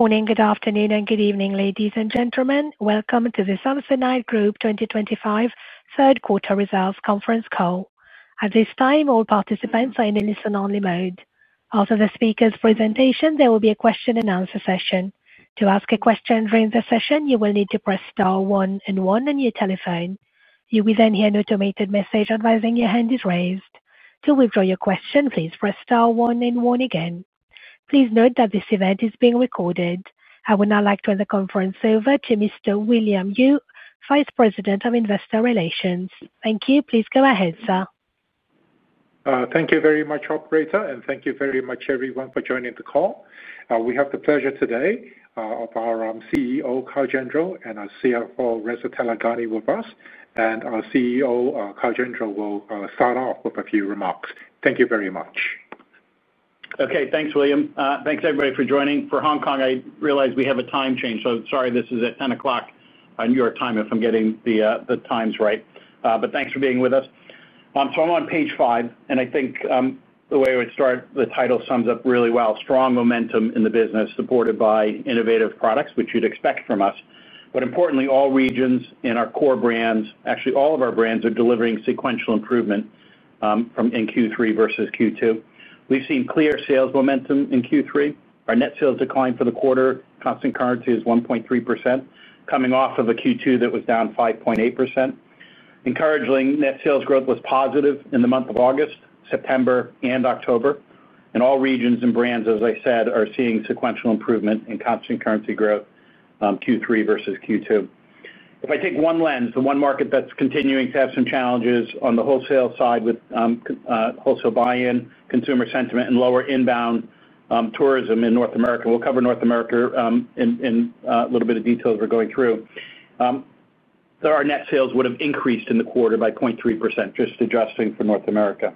Morning, good afternoon, and good evening, ladies and gentlemen. Welcome to the Samsonite Group 2025 third quarter results conference call. At this time, all participants are in listen-only mode. After the speaker's presentation, there will be a question-and-answer session. To ask a question during the session, you will need to press star one and one on your telephone. You will then hear an automated message advising your hand is raised. To withdraw your question, please press star one and one again. Please note that this event is being recorded. I would now like to hand the conference over to Mr. William Yue, Vice President of Investor Relations. Thank you. Please go ahead, sir. Thank you very much, Operator, and thank you very much, everyone, for joining the call. We have the pleasure today of our CEO, Kyle Gendreau, and our CFO, Reza Taleghani, with us. Our CEO, Kyle Gendreau, will start off with a few remarks. Thank you very much. Okay. Thanks, William. Thanks, everybody, for joining. For Hong Kong, I realize we have a time change, so sorry this is at 10:00 A.M. New York time if I'm getting the times right. Thanks for being with us. I'm on page five, and I think the way I would start, the title sums up really well: Strong momentum in the business supported by innovative products, which you'd expect from us. Importantly, all regions and our core brands, actually all of our brands, are delivering sequential improvement in Q3 versus Q2. We've seen clear sales momentum in Q3. Our net sales declined for the quarter. Constant currency is 1.3% coming off of a Q2 that was down 5.8%. Encouraging net sales growth was positive in the month of August, September, and October. All regions and brands, as I said, are seeing sequential improvement in constant currency growth Q3 versus Q2. If I take one lens, the one market that's continuing to have some challenges on the wholesale side with wholesale buy-in, consumer sentiment, and lower inbound tourism in North America, we'll cover North America in a little bit of detail as we're going through. Our net sales would have increased in the quarter by 0.3%, just adjusting for North America.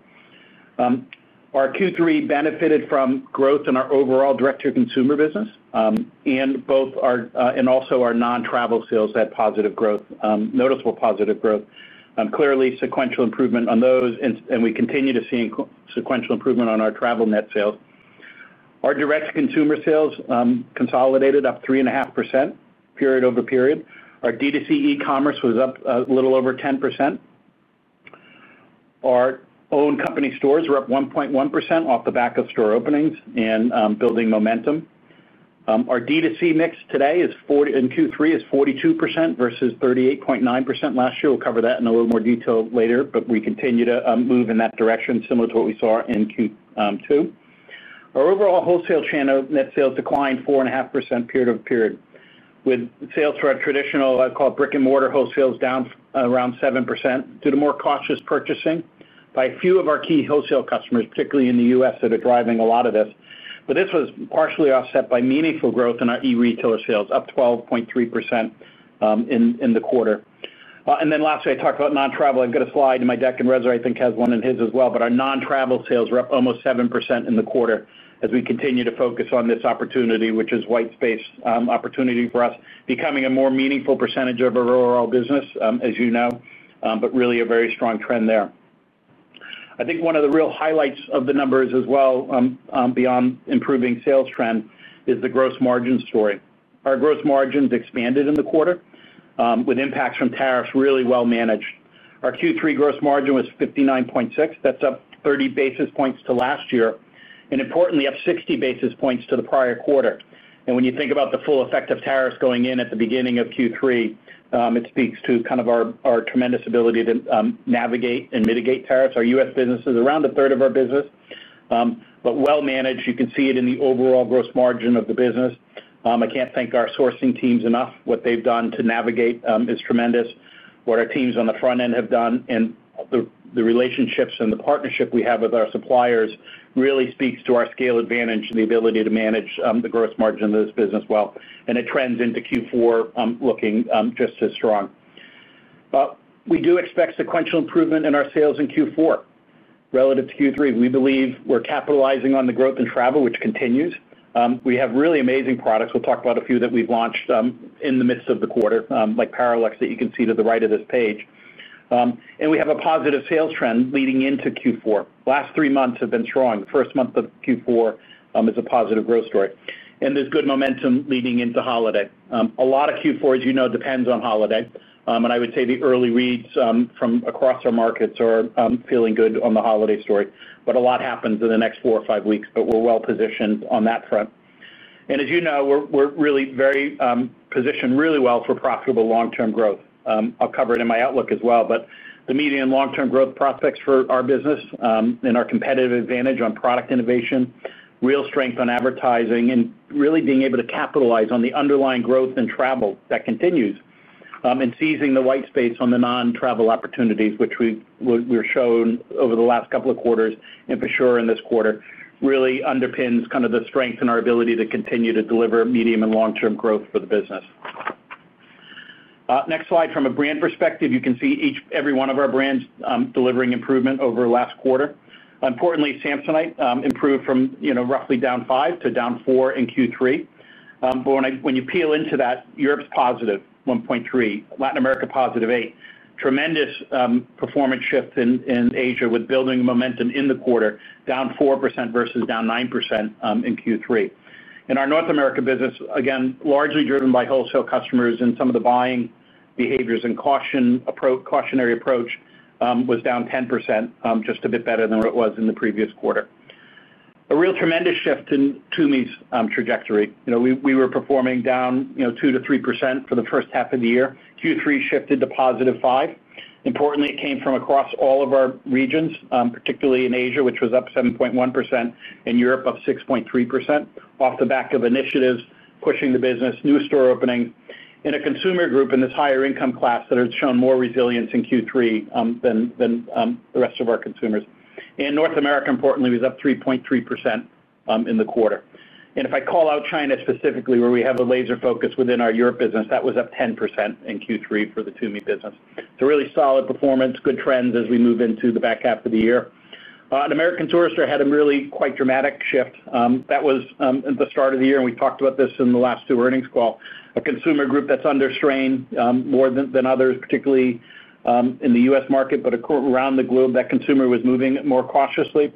Our Q3 benefited from growth in our overall direct-to-consumer business, and also our non-travel sales had positive growth, noticeable positive growth. Clearly, sequential improvement on those, and we continue to see sequential improvement on our travel net sales. Our direct-to-consumer sales consolidated up 3.5% period over period. Our DTC e-commerce was up a little over 10%. Our own company stores were up 1.1% off the back of store openings and building momentum. Our DTC mix today in Q3 is 42% versus 38.9% last year. We will cover that in a little more detail later, but we continue to move in that direction similar to what we saw in Q2. Our overall wholesale channel net sales declined 4.5% period over period. With sales for our traditional, I would call it brick-and-mortar wholesales, down around 7% due to more cautious purchasing by a few of our key wholesale customers, particularly in the US, that are driving a lot of this. This was partially offset by meaningful growth in our e-retail sales up 12.3% in the quarter. Lastly, I talked about non-travel. I have got a slide in my deck, and Reza, I think, has one in his as well. Our non-travel sales were up almost 7% in the quarter as we continue to focus on this opportunity, which is white space opportunity for us becoming a more meaningful percentage of our overall business, as you know, but really a very strong trend there. I think one of the real highlights of the numbers as well beyond improving sales trend is the gross margin story. Our gross margins expanded in the quarter with impacts from tariffs really well managed. Our Q3 gross margin was 59.6%. That is up 30 basis points to last year and, importantly, up 60 basis points to the prior quarter. When you think about the full effect of tariffs going in at the beginning of Q3, it speaks to kind of our tremendous ability to navigate and mitigate tariffs. Our US business is around a third of our business, but well managed. You can see it in the overall gross margin of the business. I can't thank our sourcing teams enough. What they've done to navigate is tremendous. What our teams on the front end have done and the relationships and the partnership we have with our suppliers really speaks to our scale advantage and the ability to manage the gross margin of this business well. It trends into Q4 looking just as strong. We do expect sequential improvement in our sales in Q4 relative to Q3. We believe we're capitalizing on the growth in travel, which continues. We have really amazing products. We'll talk about a few that we've launched in the midst of the quarter, like PARALLAX that you can see to the right of this page. We have a positive sales trend leading into Q4. Last three months have been strong. The first month of Q4 is a positive growth story. There is good momentum leading into holiday. A lot of Q4, as you know, depends on holiday. I would say the early reads from across our markets are feeling good on the holiday story. A lot happens in the next four or five weeks, but we are well positioned on that front. As you know, we are really very positioned really well for profitable long-term growth. I will cover it in my outlook as well. The median long-term growth prospects for our business and our competitive advantage on product innovation, real strength on advertising, and really being able to capitalize on the underlying growth in travel that continues and seizing the white space on the non-travel opportunities, which we were shown over the last couple of quarters and for sure in this quarter, really underpins kind of the strength and our ability to continue to deliver medium and long-term growth for the business. Next slide. From a brand perspective, you can see every one of our brands delivering improvement over last quarter. Importantly, Samsonite improved from roughly down 5 to down 4 in Q3. When you peel into that, Europe is positive 1.3%, Latin America positive 8%. Tremendous performance shift in Asia with building momentum in the quarter, down 4% versus down 9% in Q3. Our North America business, again, largely driven by wholesale customers and some of the buying behaviors and cautionary approach, was down 10%, just a bit better than what it was in the previous quarter. A real tremendous shift in TUMI's trajectory. We were performing down 2-3% for the first half of the year. Q3 shifted to positive 5%. Importantly, it came from across all of our regions, particularly in Asia, which was up 7.1%, and Europe up 6.3% off the back of initiatives pushing the business, new store openings. A consumer group in this higher income class had shown more resilience in Q3 than the rest of our consumers. North America, importantly, was up 3.3% in the quarter. If I call out China specifically, where we have a laser focus within our Europe business, that was up 10% in Q3 for the TUMI business. Really solid performance, good trends as we move into the back half of the year. An American Tourister had a really quite dramatic shift. That was at the start of the year, and we talked about this in the last two earnings calls. A consumer group that is under strain more than others, particularly in the U.S. market, but around the globe, that consumer was moving more cautiously.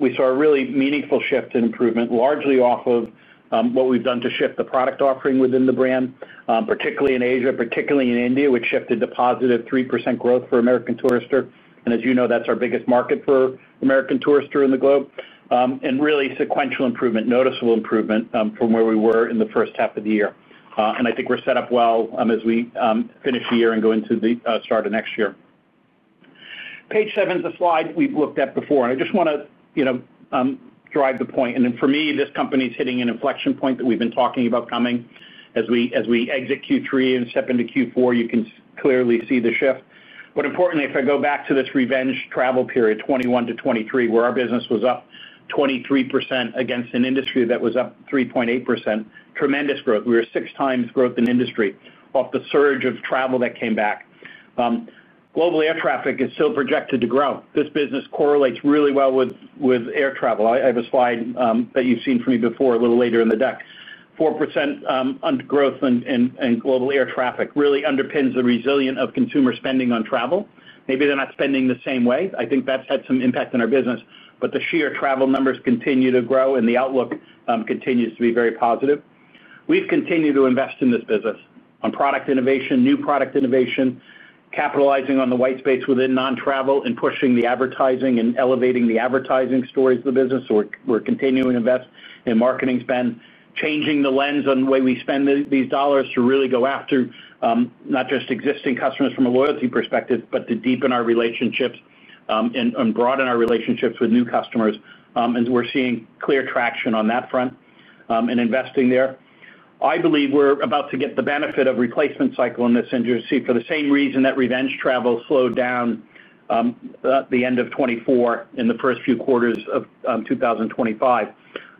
We saw a really meaningful shift in improvement, largely off of what we have done to shift the product offering within the brand, particularly in Asia, particularly in India, which shifted to positive 3% growth for American Tourister. As you know, that is our biggest market for American Tourister in the globe. Really sequential improvement, noticeable improvement from where we were in the first half of the year. I think we're set up well as we finish the year and go into the start of next year. Page seven is a slide we've looked at before, and I just want to drive the point. For me, this company is hitting an inflection point that we've been talking about coming. As we exit Q3 and step into Q4, you can clearly see the shift. Importantly, if I go back to this revenge travel period, 2021 to 2023, where our business was up 23% against an industry that was up 3.8%, tremendous growth. We were 6x growth in industry off the surge of travel that came back. Global air traffic is still projected to grow. This business correlates really well with air travel. I have a slide that you've seen from me before a little later in the deck. 4% growth in global air traffic really underpins the resilience of consumer spending on travel. Maybe they're not spending the same way. I think that's had some impact on our business. The sheer travel numbers continue to grow, and the outlook continues to be very positive. We've continued to invest in this business on product innovation, new product innovation, capitalizing on the white space within non-travel and pushing the advertising and elevating the advertising stories of the business. We're continuing to invest in marketing spend, changing the lens on the way we spend these dollars to really go after not just existing customers from a loyalty perspective, but to deepen our relationships and broaden our relationships with new customers. We're seeing clear traction on that front and investing there. I believe we're about to get the benefit of replacement cycle in this industry for the same reason that revenge travel slowed down at the end of 2024 in the first few quarters of 2025.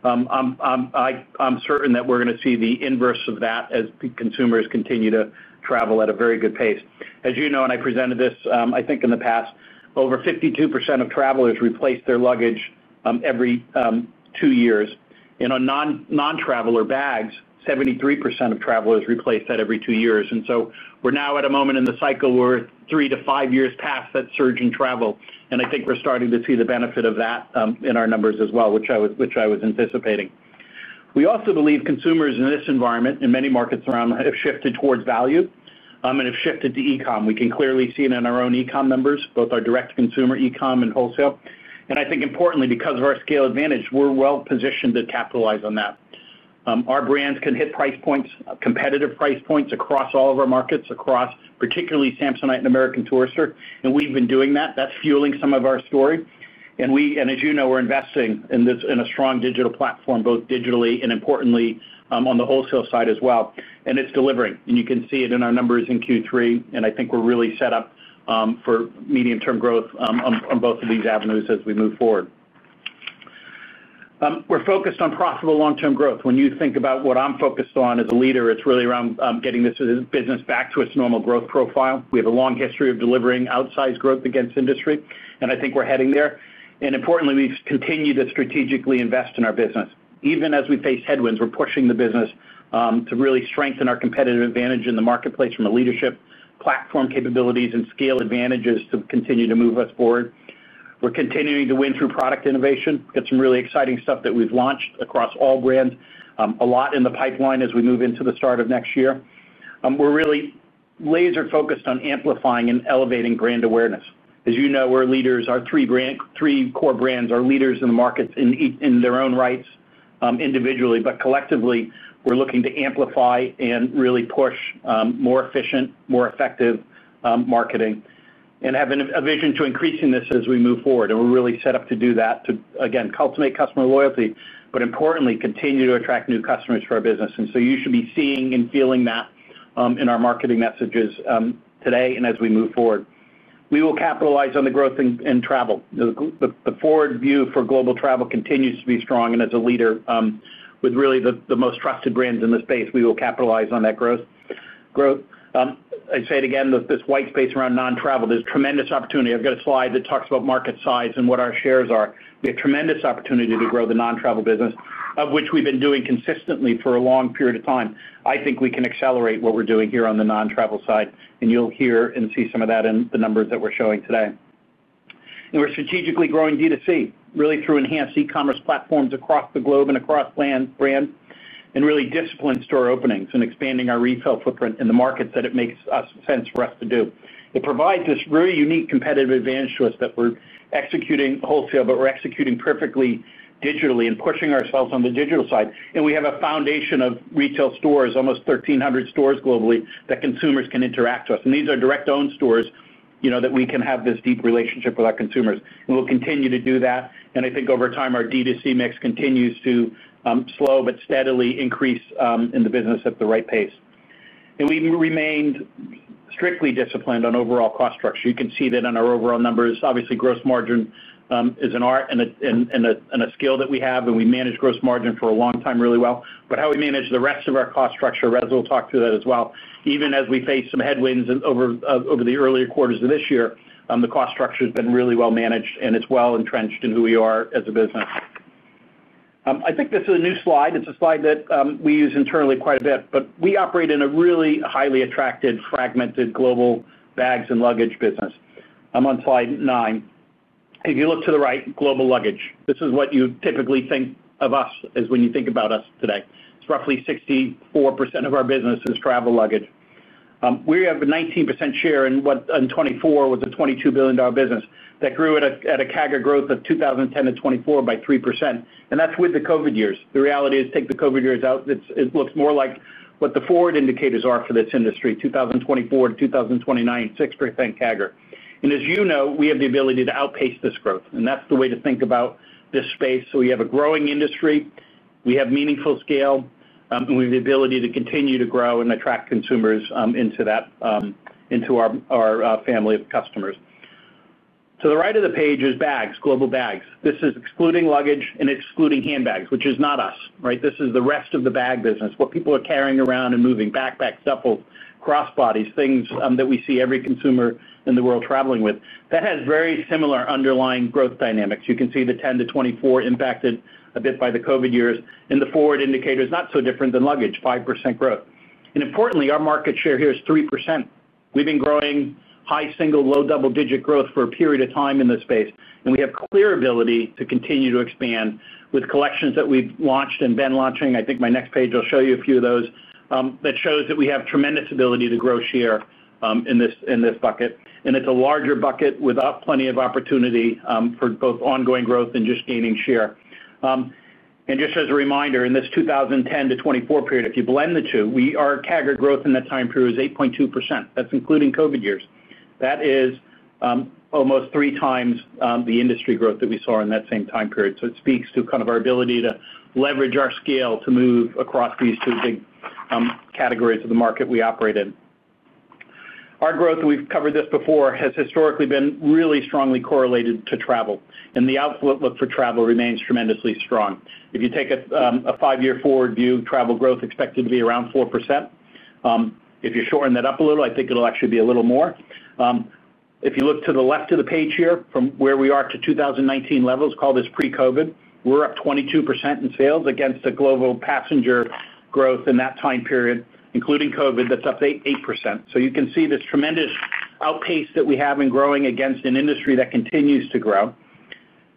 I'm certain that we're going to see the inverse of that as consumers continue to travel at a very good pace. As you know, and I presented this, I think in the past, over 52% of travelers replaced their luggage every two years. And on non-traveler bags, 73% of travelers replaced that every two years. We are now at a moment in the cycle where three to five years past that surge in travel. I think we're starting to see the benefit of that in our numbers as well, which I was anticipating. We also believe consumers in this environment and many markets around have shifted towards value and have shifted to e-comm. We can clearly see it in our own e-comm numbers, both our direct-to-consumer e-comm and wholesale. I think, importantly, because of our scale advantage, we're well positioned to capitalize on that. Our brands can hit price points, competitive price points across all of our markets, across particularly Samsonite and American Tourister. We've been doing that. That's fueling some of our story. As you know, we're investing in a strong digital platform, both digitally and importantly on the wholesale side as well. It's delivering. You can see it in our numbers in Q3. I think we're really set up for medium-term growth on both of these avenues as we move forward. We're focused on profitable long-term growth. When you think about what I'm focused on as a leader, it's really around getting this business back to its normal growth profile. We have a long history of delivering outsized growth against industry, and I think we're heading there. Importantly, we've continued to strategically invest in our business. Even as we face headwinds, we're pushing the business to really strengthen our competitive advantage in the marketplace from a leadership platform, capabilities, and scale advantages to continue to move us forward. We're continuing to win through product innovation. We've got some really exciting stuff that we've launched across all brands, a lot in the pipeline as we move into the start of next year. We're really laser-focused on amplifying and elevating brand awareness. As you know, our three core brands are leaders in the markets in their own rights individually. Collectively, we're looking to amplify and really push more efficient, more effective marketing and have a vision to increasing this as we move forward. We are really set up to do that to, again, cultivate customer loyalty, but importantly, continue to attract new customers for our business. You should be seeing and feeling that in our marketing messages today and as we move forward. We will capitalize on the growth in travel. The forward view for global travel continues to be strong. As a leader with really the most trusted brands in the space, we will capitalize on that growth. I say it again, this white space around non-travel, there is tremendous opportunity. I have a slide that talks about market size and what our shares are. We have tremendous opportunity to grow the non-travel business, of which we have been doing consistently for a long period of time. I think we can accelerate what we are doing here on the non-travel side. You'll hear and see some of that in the numbers that we're showing today. We're strategically growing DTC really through enhanced e-commerce platforms across the globe and across brands and really disciplined store openings and expanding our retail footprint in the markets that it makes sense for us to do. It provides this really unique competitive advantage to us that we're executing wholesale, but we're executing perfectly digitally and pushing ourselves on the digital side. We have a foundation of retail stores, almost 1,300 stores globally, that consumers can interact with. These are direct-owned stores that we can have this deep relationship with our consumers. We'll continue to do that. I think over time, our DTC mix continues to slow but steadily increase in the business at the right pace. We remained strictly disciplined on overall cost structure. You can see that in our overall numbers. Obviously, gross margin is an art and a skill that we have, and we manage gross margin for a long time really well. But how we manage the rest of our cost structure, Reza will talk to that as well. Even as we face some headwinds over the earlier quarters of this year, the cost structure has been really well managed and is well entrenched in who we are as a business. I think this is a new slide. It's a slide that we use internally quite a bit. But we operate in a really highly attractive, fragmented global bags and luggage business. I'm on slide nine. If you look to the right, global luggage. This is what you typically think of us as when you think about us today. It's roughly 64% of our business is travel luggage. We have a 19% share in what in 2024 was a $22 billion business that grew at a CAGR growth of 2010 to 2024 by 3%. And that's with the COVID years. The reality is take the COVID years out. It looks more like what the forward indicators are for this industry, 2024 to 2029, 6% CAGR. And as you know, we have the ability to outpace this growth. And that's the way to think about this space. So we have a growing industry. We have meaningful scale. And we have the ability to continue to grow and attract consumers into our family of customers. To the right of the page is bags, global bags. This is excluding luggage and excluding handbags, which is not us, right? This is the rest of the bag business, what people are carrying around and moving: backpacks, duffels, cross bodies, things that we see every consumer in the world traveling with. That has very similar underlying growth dynamics. You can see the 2010 to 2024 impacted a bit by the COVID years. The forward indicator is not so different than luggage, 5% growth. Importantly, our market share here is 3%. We've been growing high single, low double-digit growth for a period of time in this space. We have clear ability to continue to expand with collections that we've launched and been launching. I think my next page, I'll show you a few of those that shows that we have tremendous ability to grow share in this bucket. It is a larger bucket with plenty of opportunity for both ongoing growth and just gaining share. Just as a reminder, in this 2010 to 2024 period, if you blend the two, our CAGR growth in that time period was 8.2%. That is including COVID years. That is almost 3x the industry growth that we saw in that same time period. It speaks to kind of our ability to leverage our scale to move across these two big categories of the market we operate in. Our growth, and we have covered this before, has historically been really strongly correlated to travel. The outlook for travel remains tremendously strong. If you take a five-year forward view, travel growth is expected to be around 4%. If you shorten that up a little, I think it will actually be a little more. If you look to the left of the page here from where we are to 2019 levels, call this pre-COVID, we're up 22% in sales against the global passenger growth in that time period, including COVID, that's up 8%. You can see this tremendous outpaced that we have in growing against an industry that continues to grow.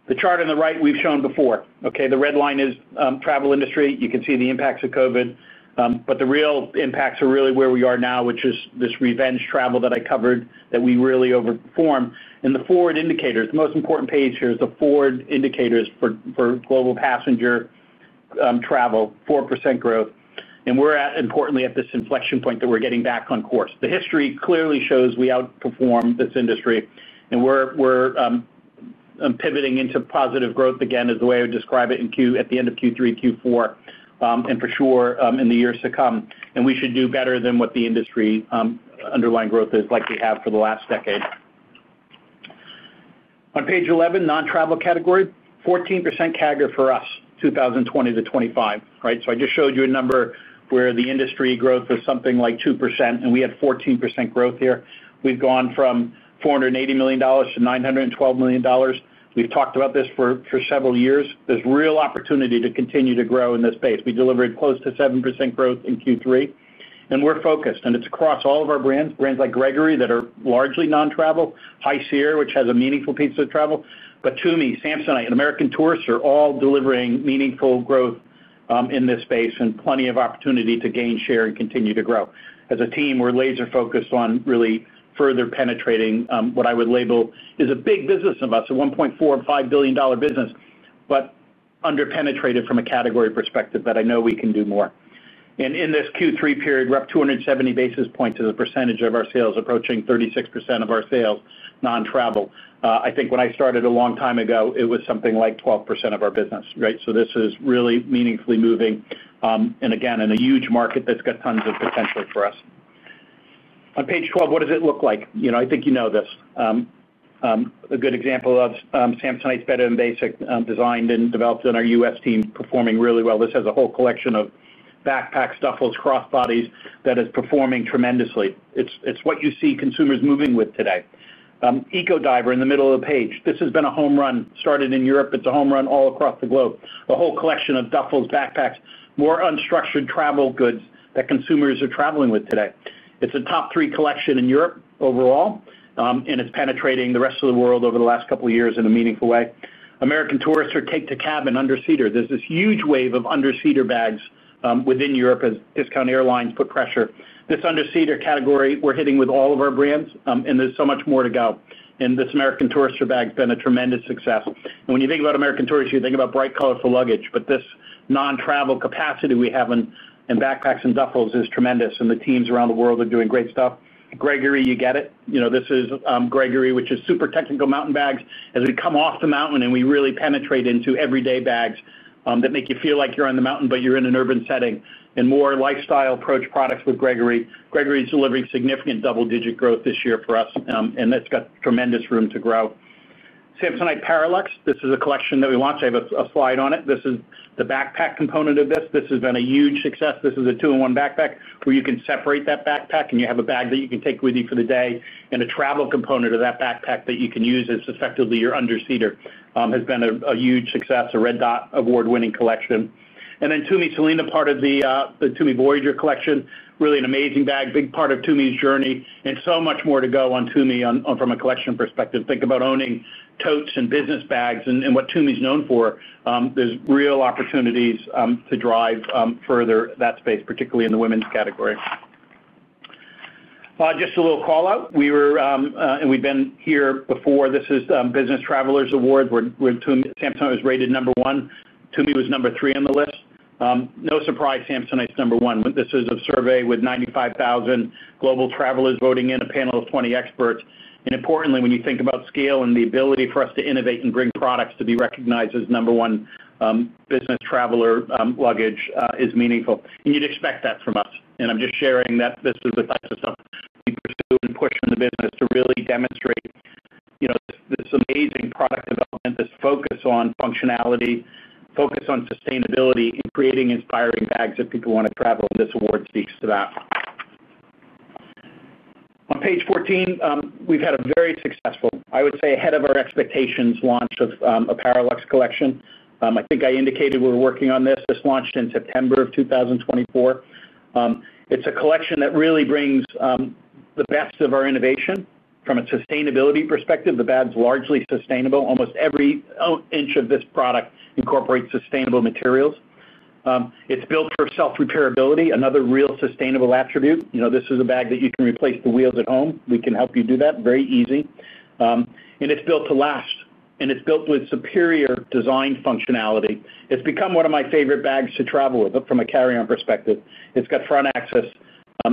The chart on the right we've shown before. The red line is travel industry. You can see the impacts of COVID. The real impacts are really where we are now, which is this revenge travel that I covered that we really overperform. The forward indicators, the most important page here is the forward indicators for global passenger travel, 4% growth. We're at, importantly, at this inflection point that we're getting back on course. The history clearly shows we outperform this industry. We're pivoting into positive growth again is the way I would describe it at the end of Q3, Q4, and for sure in the years to come. We should do better than what the industry underlying growth is like we have for the last decade. On page 11, non-travel category, 14% CAGR for us, 2020 to 2025, right? I just showed you a number where the industry growth was something like 2%, and we had 14% growth here. We've gone from $480 million to $912 million. We've talked about this for several years. There's real opportunity to continue to grow in this space. We delivered close to 7% growth in Q3. We're focused, and it's across all of our brands, brands like Gregory that are largely non-travel, High Sierra, which has a meaningful piece of travel. TUMI, Samsonite, and American Tourister are all delivering meaningful growth in this space and plenty of opportunity to gain share and continue to grow. As a team, we're laser-focused on really further penetrating what I would label is a big business of us, a $1.45 billion business, but underpenetrated from a category perspective that I know we can do more. In this Q3 period, we're up 270 basis points as a percentage of our sales, approaching 36% of our sales, non-travel. I think when I started a long time ago, it was something like 12% of our business, right? This is really meaningfully moving. Again, in a huge market that's got tons of potential for us. On page 12, what does it look like? I think you know this. A good example of Samsonite's BETTER THAN BASIC designed and developed on our US team, performing really well. This has a whole collection of backpacks, duffels, cross bodies that is performing tremendously. It's what you see consumers moving with today. ECO DIVER, in the middle of the page, this has been a home run. Started in Europe. It's a home run all across the globe. A whole collection of duffels, backpacks, more unstructured travel goods that consumers are traveling with today. It's a top three collection in Europe overall, and it's penetrating the rest of the world over the last couple of years in a meaningful way. American Tourister, TAKE-TO-CABIN, Underseater. There's this huge wave of Underseater Bags within Europe as discount airlines put pressure. This Underseater category, we're hitting with all of our brands, and there's so much more to go. This American Tourister bag has been a tremendous success. When you think about American Tourister, you think about bright, colorful luggage. This non-travel capacity we have in backpacks and duffels is tremendous. The teams around the world are doing great stuff. Gregory, you get it. This is Gregory, which is super technical mountain bags. As we come off the mountain, we really penetrate into everyday bags that make you feel like you're on the mountain, but you're in an urban setting. More lifestyle approach products with Gregory. Gregory is delivering significant double-digit growth this year for us, and it's got tremendous room to grow. Samsonite PARALLAX, this is a collection that we launched. I have a slide on it. This is the backpack component of this. This has been a huge success. This is a two-in-one backpack where you can separate that backpack, and you have a bag that you can take with you for the day. A travel component of that backpack that you can use as effectively your Underseater has been a huge success, a Red Dot Award-winning collection. TUMI CELINA, part of the TUMI Voyager collection, really an amazing bag, big part of TUMI's journey. So much more to go on TUMI from a collection perspective. Think about owning totes and business bags and what TUMI is known for. There are real opportunities to drive further that space, particularly in the women's category. Just a little call-out. We were and we've been here before. This is Business Traveller Awards. Samsonite was rated number one. TUMI was number three on the list. No surprise, Samsonite's number one. This is a survey with 95,000 global travelers voting in a panel of 20 experts. Importantly, when you think about scale and the ability for us to innovate and bring products to be recognized as number one business traveller luggage is meaningful. You'd expect that from us. I'm just sharing that this is the type of stuff we pursue and push in the business to really demonstrate this amazing product development, this focus on functionality, focus on sustainability in creating inspiring bags that people want to travel. This award speaks to that. On page 14, we've had a very successful, I would say ahead of our expectations launch of a PARALLAX collection. I think I indicated we were working on this. This launched in September of 2024. It's a collection that really brings the best of our innovation from a sustainability perspective. The bag's largely sustainable. Almost every inch of this product incorporates sustainable materials. It's built for self-reparability, another real sustainable attribute. This is a bag that you can replace the wheels at home. We can help you do that very easy. It's built to last. It's built with superior design functionality. It's become one of my favorite bags to travel with from a carry-on perspective. It's got front access,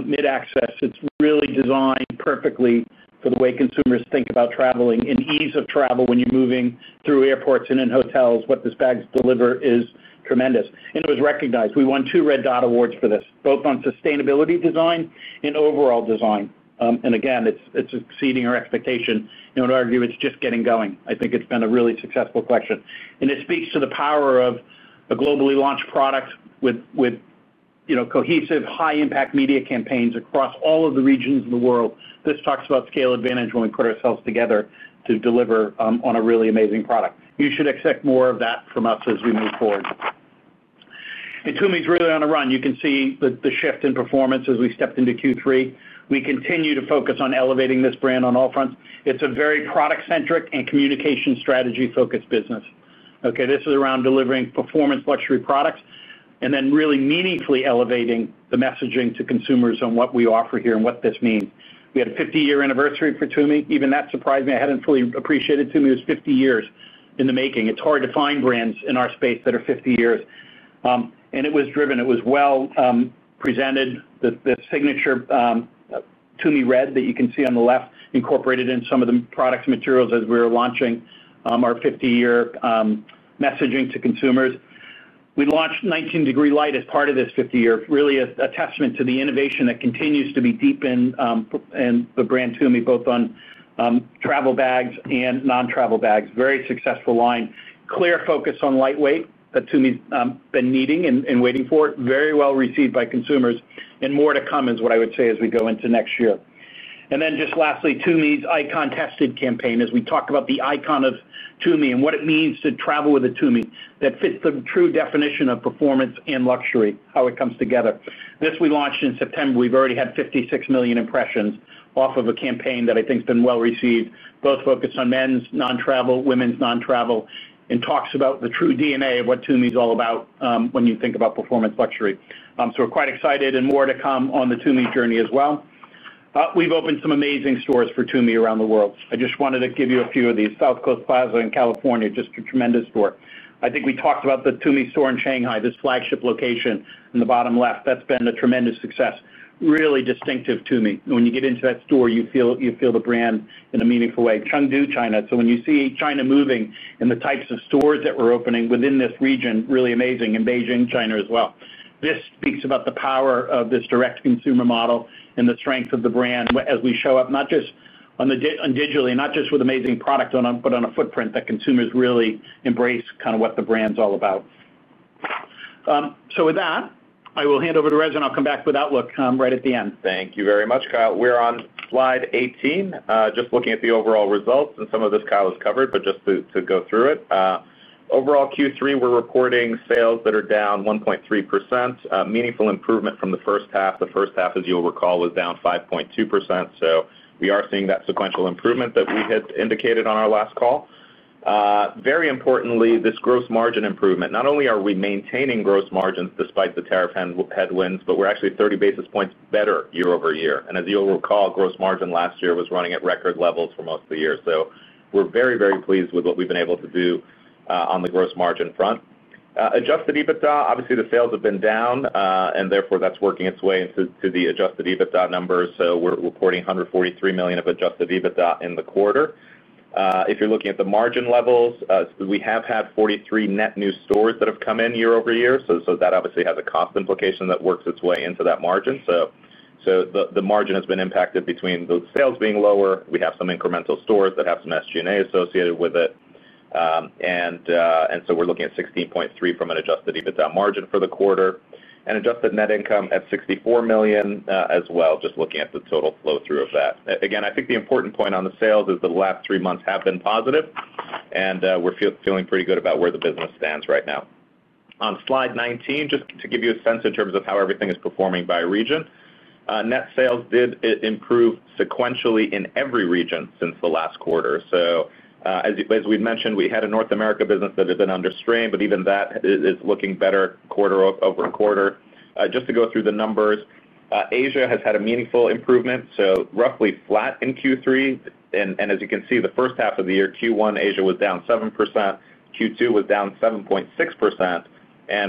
mid access. It's really designed perfectly for the way consumers think about traveling and ease of travel when you're moving through airports and in hotels. What this bag delivers is tremendous. It was recognized. We won two Red Dot Awards for this, both on sustainability design and overall design. It's exceeding our expectation. I would argue it's just getting going. I think it's been a really successful collection. It speaks to the power of a globally launched product with cohesive, high-impact media campaigns across all of the regions of the world. This talks about scale advantage when we put ourselves together to deliver on a really amazing product. You should expect more of that from us as we move forward. TUMI is really on the run. You can see the shift in performance as we stepped into Q3. We continue to focus on elevating this brand on all fronts. It is a very product-centric and communication strategy-focused business. This is around delivering performance luxury products and then really meaningfully elevating the messaging to consumers on what we offer here and what this means. We had a 50-year anniversary for TUMI. Even that surprised me. I had not fully appreciated TUMI was 50 years in the making. It's hard to find brands in our space that are 50 years. It was driven. It was well presented. The signature TUMI Red that you can see on the left incorporated in some of the products and materials as we were launching our 50-year messaging to consumers. We launched 19 DEGREE LIGHT as part of this 50-year, really a testament to the innovation that continues to be deepened in the brand TUMI, both on travel bags and non-travel bags. Very successful line. Clear focus on lightweight that TUMI's been needing and waiting for. Very well received by consumers. More to come is what I would say as we go into next year. Just lastly, TUMI's ICON TESTED Campaign. As we talk about the icon of TUMI and what it means to travel with a TUMI that fits the true definition of performance and luxury, how it comes together. This we launched in September. We've already had 56 million impressions off of a campaign that I think has been well received, both focused on men's non-travel, women's non-travel, and talks about the true DNA of what TUMI's all about when you think about performance luxury. We are quite excited and more to come on the TUMI journey as well. We've opened some amazing stores for TUMI around the world. I just wanted to give you a few of these. South Coast Plaza in California, just a tremendous store. I think we talked about the TUMI store in Shanghai, this flagship location in the bottom left. That's been a tremendous success. Really distinctive TUMI. When you get into that store, you feel the brand in a meaningful way. Chengdu, China. When you see China moving and the types of stores that we're opening within this region, really amazing. And Beijing, China as well. This speaks about the power of this direct consumer model and the strength of the brand as we show up, not just digitally, not just with amazing products, but on a footprint that consumers really embrace kind of what the brand's all about. With that, I will hand over to Reza and I'll come back with Outlook right at the end. Thank you very much, Kyle. We're on slide 18, just looking at the overall results. Some of this, Kyle, is covered, but just to go through it. Overall Q3, we're reporting sales that are down 1.3%. Meaningful improvement from the first half. The first half, as you'll recall, was down 5.2%. We are seeing that sequential improvement that we had indicated on our last call. Very importantly, this gross margin improvement. Not only are we maintaining gross margins despite the tariff headwinds, but we're actually 30 basis points better year over year. As you'll recall, gross margin last year was running at record levels for most of the year. We are very, very pleased with what we've been able to do on the gross margin front. Adjusted EBITDA, obviously the sales have been down, and therefore that's working its way into the adjusted EBITDA numbers. We're reporting $143 million of adjusted EBITDA in the quarter. If you're looking at the margin levels, we have had 43 net new stores that have come in year over year. That obviously has a cost implication that works its way into that margin. The margin has been impacted between the sales being lower. We have some incremental stores that have some SG&A associated with it. We are looking at 16.3% from an adjusted EBITDA margin for the quarter. Adjusted net income at $64 million as well, just looking at the total flow through of that. Again, I think the important point on the sales is the last three months have been positive, and we are feeling pretty good about where the business stands right now. On slide 19, just to give you a sense in terms of how everything is performing by region, net sales did improve sequentially in every region since the last quarter. As we've mentioned, we had a North America business that had been under strain, but even that is looking better quarter over quarter. Just to go through the numbers, Asia has had a meaningful improvement, so roughly flat in Q3. As you can see, the first half of the year, Q1, Asia was down 7%. Q2 was down 7.6%.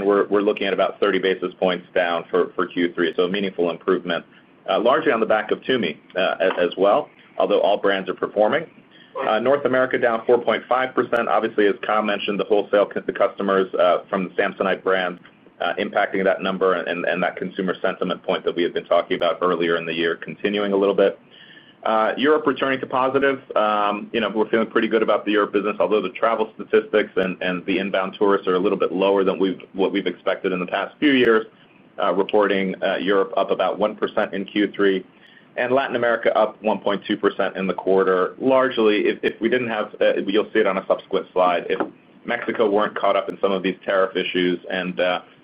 We're looking at about 30 basis points down for Q3. A meaningful improvement, largely on the back of TUMI as well, although all brands are performing. North America down 4.5%. Obviously, as Kyle mentioned, the wholesale customers from the Samsonite brand impacting that number and that consumer sentiment point that we had been talking about earlier in the year, continuing a little bit. Europe returning to positive. We're feeling pretty good about the Europe business, although the travel statistics and the inbound tourists are a little bit lower than what we've expected in the past few years, reporting Europe up about 1% in Q3. Latin America up 1.2% in the quarter. Largely, if we didn't have—you'll see it on a subsequent slide—if Mexico weren't caught up in some of these tariff issues and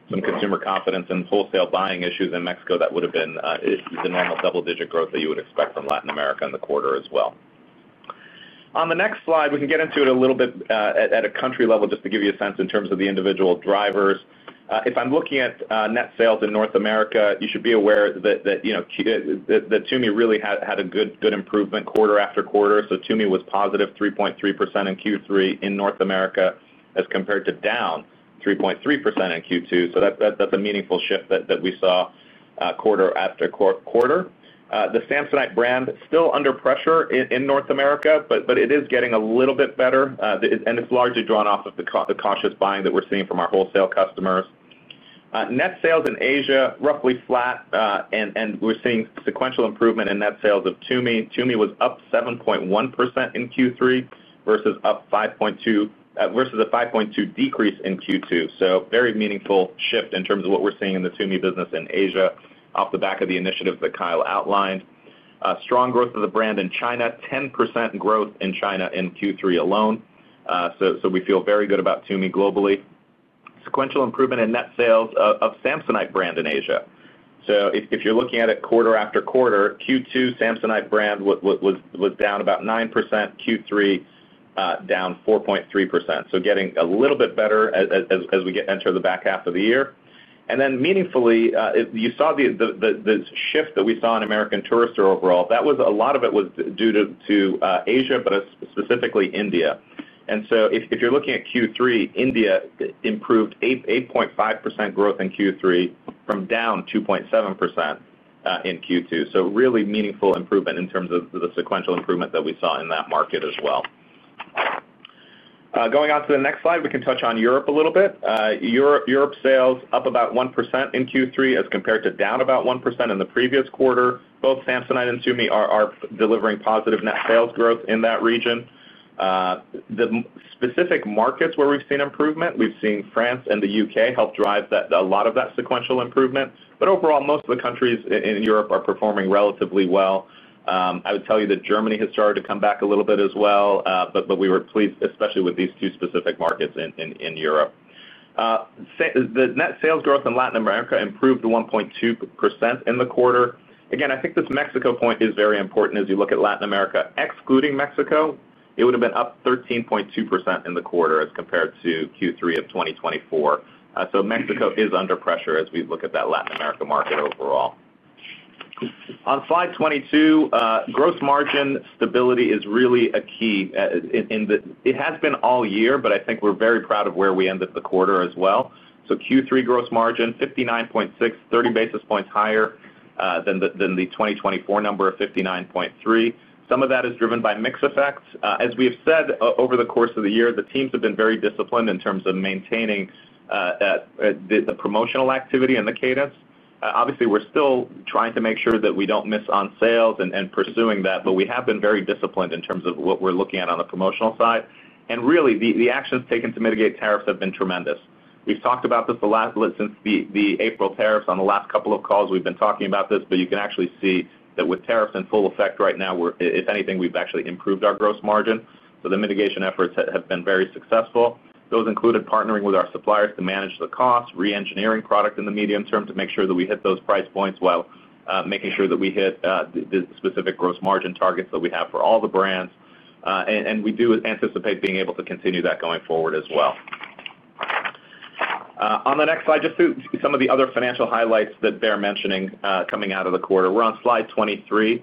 some consumer confidence and wholesale buying issues in Mexico, that would have been the normal double-digit growth that you would expect from Latin America in the quarter as well. On the next slide, we can get into it a little bit at a country level, just to give you a sense in terms of the individual drivers. If I'm looking at net sales in North America, you should be aware that TUMI really had a good improvement quarter after quarter. TUMI was positive 3.3% in Q3 in North America as compared to down 3.3% in Q2. That is a meaningful shift that we saw quarter after quarter. The Samsonite brand is still under pressure in North America, but it is getting a little bit better, and it is largely drawn off of the cautious buying that we are seeing from our wholesale customers. Net sales in Asia are roughly flat, and we are seeing sequential improvement in net sales of TUMI. TUMI was up 7.1% in Q3 versus a 5.2% decrease in Q2. That is a very meaningful shift in terms of what we are seeing in the TUMI business in Asia off the back of the initiatives that Kyle outlined. Strong growth of the brand in China, 10% growth in China in Q3 alone. We feel very good about TUMI globally. Sequential improvement in net sales of Samsonite brand in Asia. If you're looking at it quarter after quarter, Q2, Samsonite brand was down about 9%. Q3, down 4.3%. Getting a little bit better as we enter the back half of the year. Meaningfully, you saw this shift that we saw in American Tourister overall. A lot of it was due to Asia, but specifically India. If you're looking at Q3, India improved 8.5% growth in Q3 from down 2.7% in Q2. Really meaningful improvement in terms of the sequential improvement that we saw in that market as well. Going on to the next slide, we can touch on Europe a little bit. Europe sales are up about 1% in Q3 as compared to down about 1% in the previous quarter. Both Samsonite and TUMI are delivering positive net sales growth in that region. The specific markets where we've seen improvement, we've seen France and the U.K. help drive a lot of that sequential improvement. Overall, most of the countries in Europe are performing relatively well. I would tell you that Germany has started to come back a little bit as well, but we were pleased, especially with these two specific markets in Europe. The net sales growth in Latin America improved 1.2% in the quarter. Again, I think this Mexico point is very important as you look at Latin America. Excluding Mexico, it would have been up 13.2% in the quarter as compared to Q3 of 2024. Mexico is under pressure as we look at that Latin America market overall. On slide 22, gross margin stability is really a key. It has been all year, but I think we're very proud of where we ended the quarter as well. Q3 gross margin, 59.6, 30 basis points higher than the 2024 number of 59.3. Some of that is driven by mixed effects. As we have said over the course of the year, the teams have been very disciplined in terms of maintaining the promotional activity and the cadence. Obviously, we're still trying to make sure that we don't miss on sales and pursuing that, but we have been very disciplined in terms of what we're looking at on the promotional side. Really, the actions taken to mitigate tariffs have been tremendous. We've talked about this since the April tariffs on the last couple of calls. We've been talking about this, but you can actually see that with tariffs in full effect right now, if anything, we've actually improved our gross margin. The mitigation efforts have been very successful. Those included partnering with our suppliers to manage the cost, re-engineering product in the medium term to make sure that we hit those price points while making sure that we hit the specific gross margin targets that we have for all the brands. We do anticipate being able to continue that going forward as well. On the next slide, just some of the other financial highlights that Bear mentioned coming out of the quarter. We are on slide 23.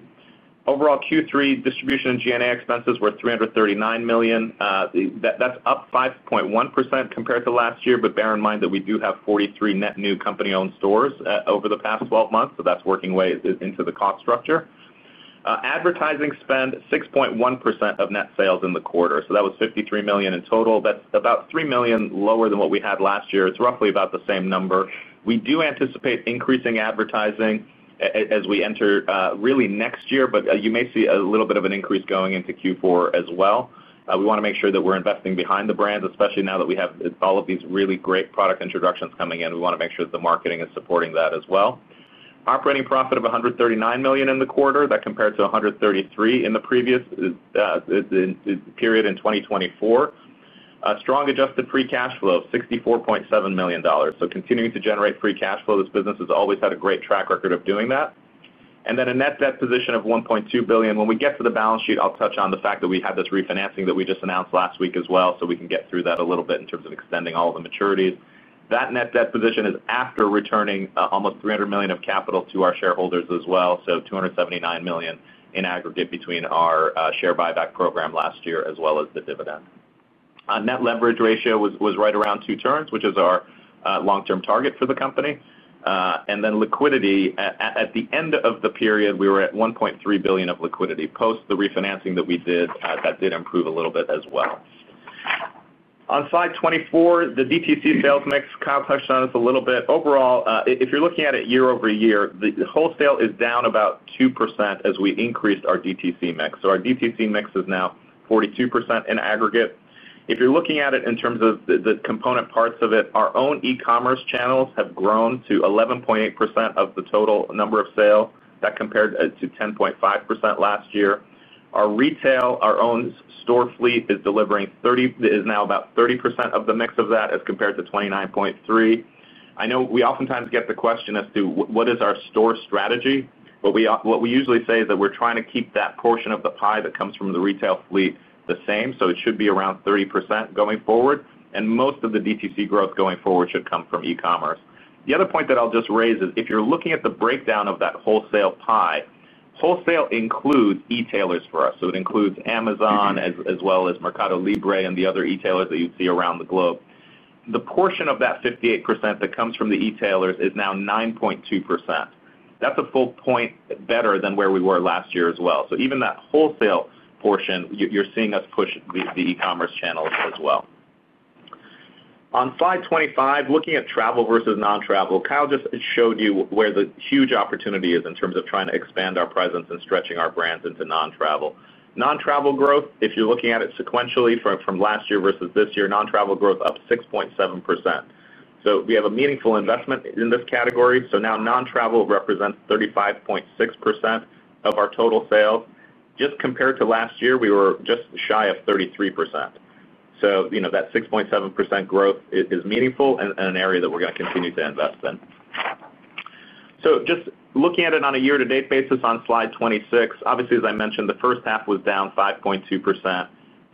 Overall Q3 distribution and G&A expenses were $339 million. That is up 5.1% compared to last year, but bear in mind that we do have 43 net new company-owned stores over the past 12 months. That is working its way into the cost structure. Advertising spent, 6.1% of net sales in the quarter. That was $53 million in total. That is about $3 million lower than what we had last year. It's roughly about the same number. We do anticipate increasing advertising as we enter really next year, but you may see a little bit of an increase going into Q4 as well. We want to make sure that we're investing behind the brands, especially now that we have all of these really great product introductions coming in. We want to make sure that the marketing is supporting that as well. Operating profit of $139 million in the quarter. That compared to $133 million in the previous period in 2024. Strong adjusted free cash flow of $64.7 million. Continuing to generate free cash flow. This business has always had a great track record of doing that. And then a net debt position of $1.2 billion. When we get to the balance sheet, I'll touch on the fact that we had this refinancing that we just announced last week as well, so we can get through that a little bit in terms of extending all of the maturities. That net debt position is after returning almost $300 million of capital to our shareholders as well. So $279 million in aggregate between our share buyback program last year as well as the dividend. Net leverage ratio was right around two turns, which is our long-term target for the company. And then liquidity, at the end of the period, we were at $1.3 billion of liquidity post the refinancing that we did. That did improve a little bit as well. On slide 24, the DTC sales mix, Kyle touched on this a little bit. Overall, if you're looking at it year over year, the wholesale is down about 2% as we increased our DTC mix. Our DTC mix is now 42% in aggregate. If you're looking at it in terms of the component parts of it, our own e-commerce channels have grown to 11.8% of the total number of sales. That compared to 10.5% last year. Our retail, our own store fleet is delivering now about 30% of the mix of that as compared to 29.3%. I know we oftentimes get the question as to what is our store strategy, but what we usually say is that we're trying to keep that portion of the pie that comes from the retail fleet the same. It should be around 30% going forward. Most of the DTC growth going forward should come from e-commerce. The other point that I'll just raise is if you're looking at the breakdown of that wholesale pie, wholesale includes e-tailers for us. It includes Amazon as well as Mercado Libre and the other e-tailers that you'd see around the globe. The portion of that 58% that comes from the e-tailers is now 9.2%. That's a full point better than where we were last year as well. Even that wholesale portion, you're seeing us push the e-commerce channels as well. On slide 25, looking at travel versus non-travel, Kyle just showed you where the huge opportunity is in terms of trying to expand our presence and stretching our brands into non-travel. Non-travel growth, if you're looking at it sequentially from last year versus this year, non-travel growth up 6.7%. We have a meaningful investment in this category. Now non-travel represents 35.6% of our total sales. Just compared to last year, we were just shy of 33%. That 6.7% growth is meaningful and an area that we are going to continue to invest in. Just looking at it on a year-to-date basis on slide 26, obviously, as I mentioned, the first half was down 5.2%.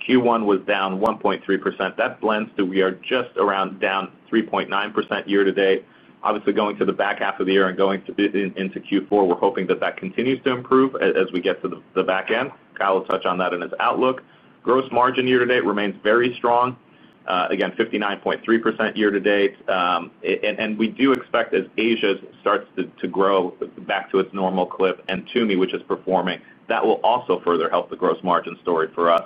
Q1 was down 1.3%. That blends to we are just around down 3.9% year-to-date. Obviously, going to the back half of the year and going into Q4, we are hoping that that continues to improve as we get to the back end. Kyle will touch on that in his outlook. Gross margin year-to-date remains very strong. Again, 59.3% year-to-date. We do expect as Asia starts to grow back to its normal clip and TUMI, which is performing, that will also further help the gross margin story for us.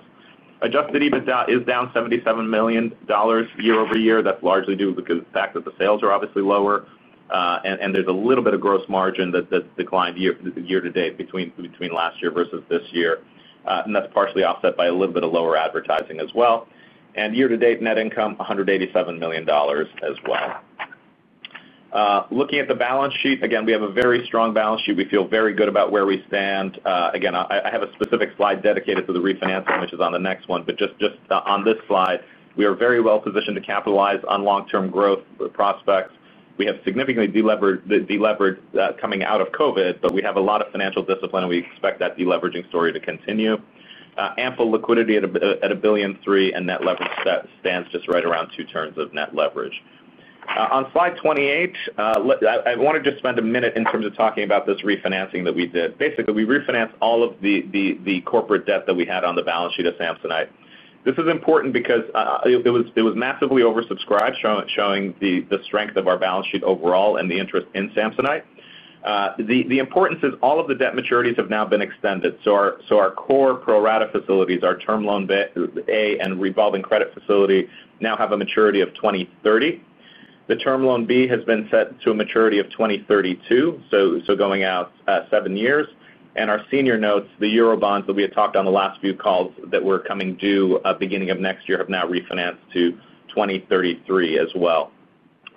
Adjusted EBITDA is down $77 million year over year. That's largely due to the fact that the sales are obviously lower. There's a little bit of gross margin that declined year-to-date between last year versus this year. That's partially offset by a little bit of lower advertising as well. Year-to-date net income, $187 million as well. Looking at the balance sheet, again, we have a very strong balance sheet. We feel very good about where we stand. I have a specific slide dedicated to the refinancing, which is on the next one. Just on this slide, we are very well positioned to capitalize on long-term growth prospects. We have significantly deleveraged coming out of COVID, but we have a lot of financial discipline, and we expect that deleveraging story to continue. Ample liquidity at $1.3 billion, and net leverage stands just right around two turns of net leverage. On slide 28, I wanted to just spend a minute in terms of talking about this refinancing that we did. Basically, we refinanced all of the corporate debt that we had on the balance sheet of Samsonite. This is important because it was massively oversubscribed, showing the strength of our balance sheet overall and the interest in Samsonite. The importance is all of the debt maturities have now been extended. Our core pro-rata facilities, our term loan A and revolving credit facility now have a maturity of 2030. The term loan B has been set to a maturity of 2032, going out seven years. Our senior notes, the Euro bonds that we had talked on the last few calls that were coming due beginning of next year have now refinanced to 2033 as well.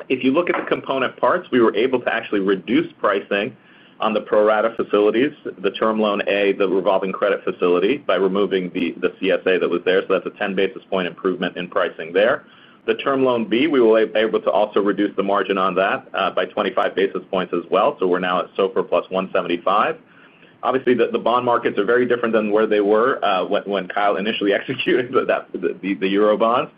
If you look at the component parts, we were able to actually reduce pricing on the pro-rata facilities, the term loan A, the revolving credit facility by removing the CSA that was there. That is a 10 basis point improvement in pricing there. The term loan B, we were able to also reduce the margin on that by 25 basis points as well. We are now at SOFR plus 175. Obviously, the bond markets are very different than where they were when Kyle initially executed the Euro bonds.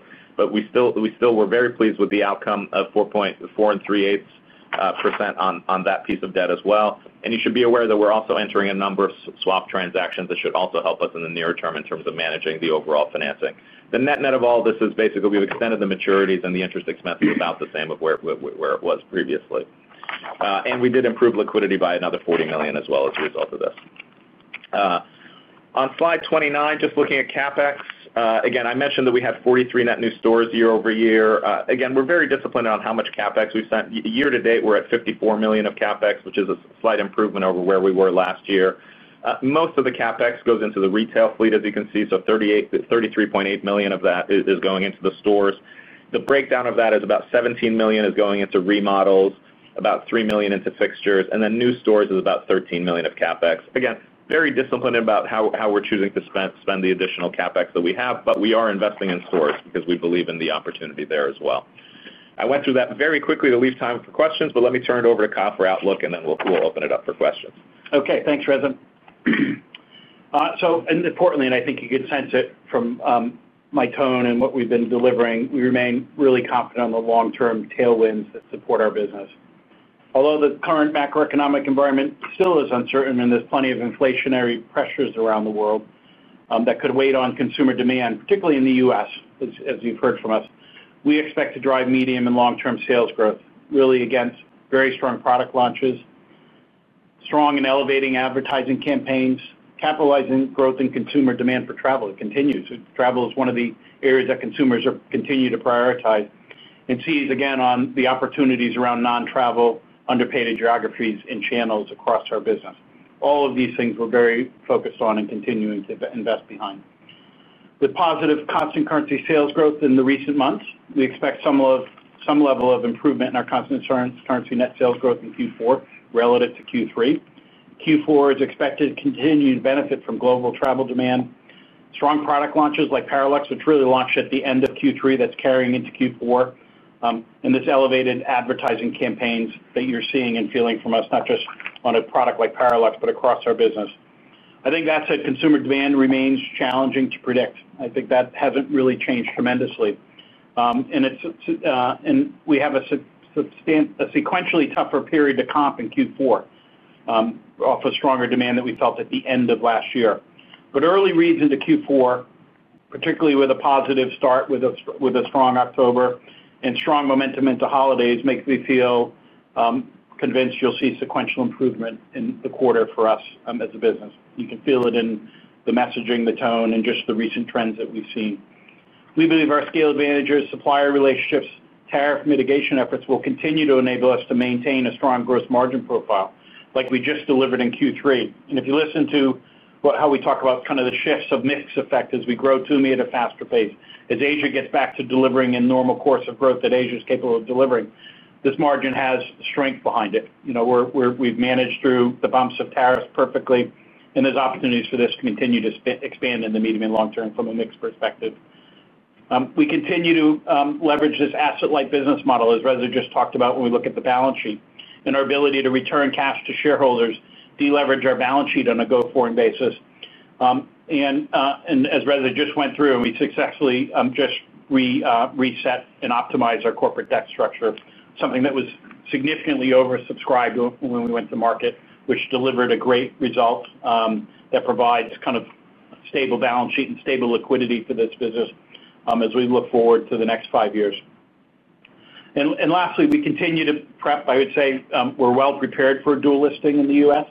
We still were very pleased with the outcome of 4.4% and 3/8% on that piece of debt as well. You should be aware that we are also entering a number of swap transactions that should also help us in the near term in terms of managing the overall financing. The net net of all this is basically we've extended the maturities and the interest expense is about the same of where it was previously. We did improve liquidity by another $40 million as well as a result of this. On slide 29, just looking at CapEx. Again, I mentioned that we had 43 net new stores year over year. Again, we're very disciplined on how much CapEx we've spent. Year-to-date, we're at $54 million of CapEx, which is a slight improvement over where we were last year. Most of the CapEx goes into the retail fleet, as you can see. $33.8 million of that is going into the stores. The breakdown of that is about $17 million is going into remodels, about $3 million into fixtures. New stores is about $13 million of CapEx. Again, very disciplined about how we're choosing to spend the additional CapEx that we have, but we are investing in stores because we believe in the opportunity there as well. I went through that very quickly to leave time for questions, but let me turn it over to Kyle for outlook, and then we'll open it up for questions. Okay. Thanks, Reza. And importantly, and I think you can sense it from my tone and what we've been delivering, we remain really confident on the long-term tailwinds that support our business. Although the current macroeconomic environment still is uncertain and there's plenty of inflationary pressures around the world that could weigh on consumer demand, particularly in the U.S., as you've heard from us, we expect to drive medium and long-term sales growth really against very strong product launches, strong and elevating advertising campaigns, capitalizing growth in consumer demand for travel that continues. Travel is one of the areas that consumers continue to prioritize and seize again on the opportunities around non-travel, underpaid geographies, and channels across our business. All of these things we're very focused on and continuing to invest behind. With positive constant currency sales growth in the recent months, we expect some level of improvement in our constant currency net sales growth in Q4 relative to Q3. Q4 is expected to continue to benefit from global travel demand. Strong product launches like PARALLAX, which really launched at the end of Q3, are carrying into Q4. These elevated advertising campaigns that you are seeing and feeling from us, not just on a product like PARALLAX, but across our business. I think that said, consumer demand remains challenging to predict. I think that has not really changed tremendously. We have a sequentially tougher period to comp in Q4 off a stronger demand that we felt at the end of last year. Early reads into Q4, particularly with a positive start with a strong October and strong momentum into holidays, make me feel convinced you will see sequential improvement in the quarter for us as a business. You can feel it in the messaging, the tone, and just the recent trends that we have seen. We believe our scale advantages, supplier relationships, tariff mitigation efforts will continue to enable us to maintain a strong gross margin profile like we just delivered in Q3. If you listen to how we talk about kind of the shifts of mixed effect as we grow TUMI at a faster pace, as Asia gets back to delivering a normal course of growth that Asia is capable of delivering, this margin has strength behind it. We have managed through the bumps of tariffs perfectly, and there are opportunities for this to continue to expand in the medium and long term from a mixed perspective. We continue to leverage this asset-light business model, as Reza just talked about when we look at the balance sheet, and our ability to return cash to shareholders, deleverage our balance sheet on a go-forward basis. As Reza just went through, we successfully just reset and optimized our corporate debt structure, something that was significantly oversubscribed when we went to market, which delivered a great result that provides kind of stable balance sheet and stable liquidity for this business as we look forward to the next five years. Lastly, we continue to prep, I would say we're well prepared for dual listing in the U.S.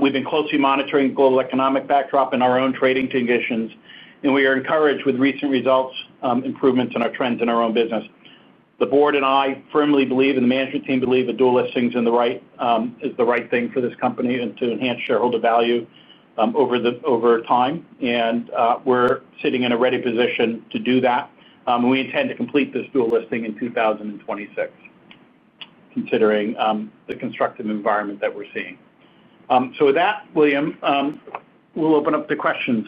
We've been closely monitoring global economic backdrop and our own trading conditions, and we are encouraged with recent results, improvements in our trends in our own business. The board and I firmly believe, and the management team believe that dual listings is the right thing for this company and to enhance shareholder value over time. We're sitting in a ready position to do that. We intend to complete this dual listing in 2026, considering the constructive environment that we're seeing. With that, William, we'll open up to questions.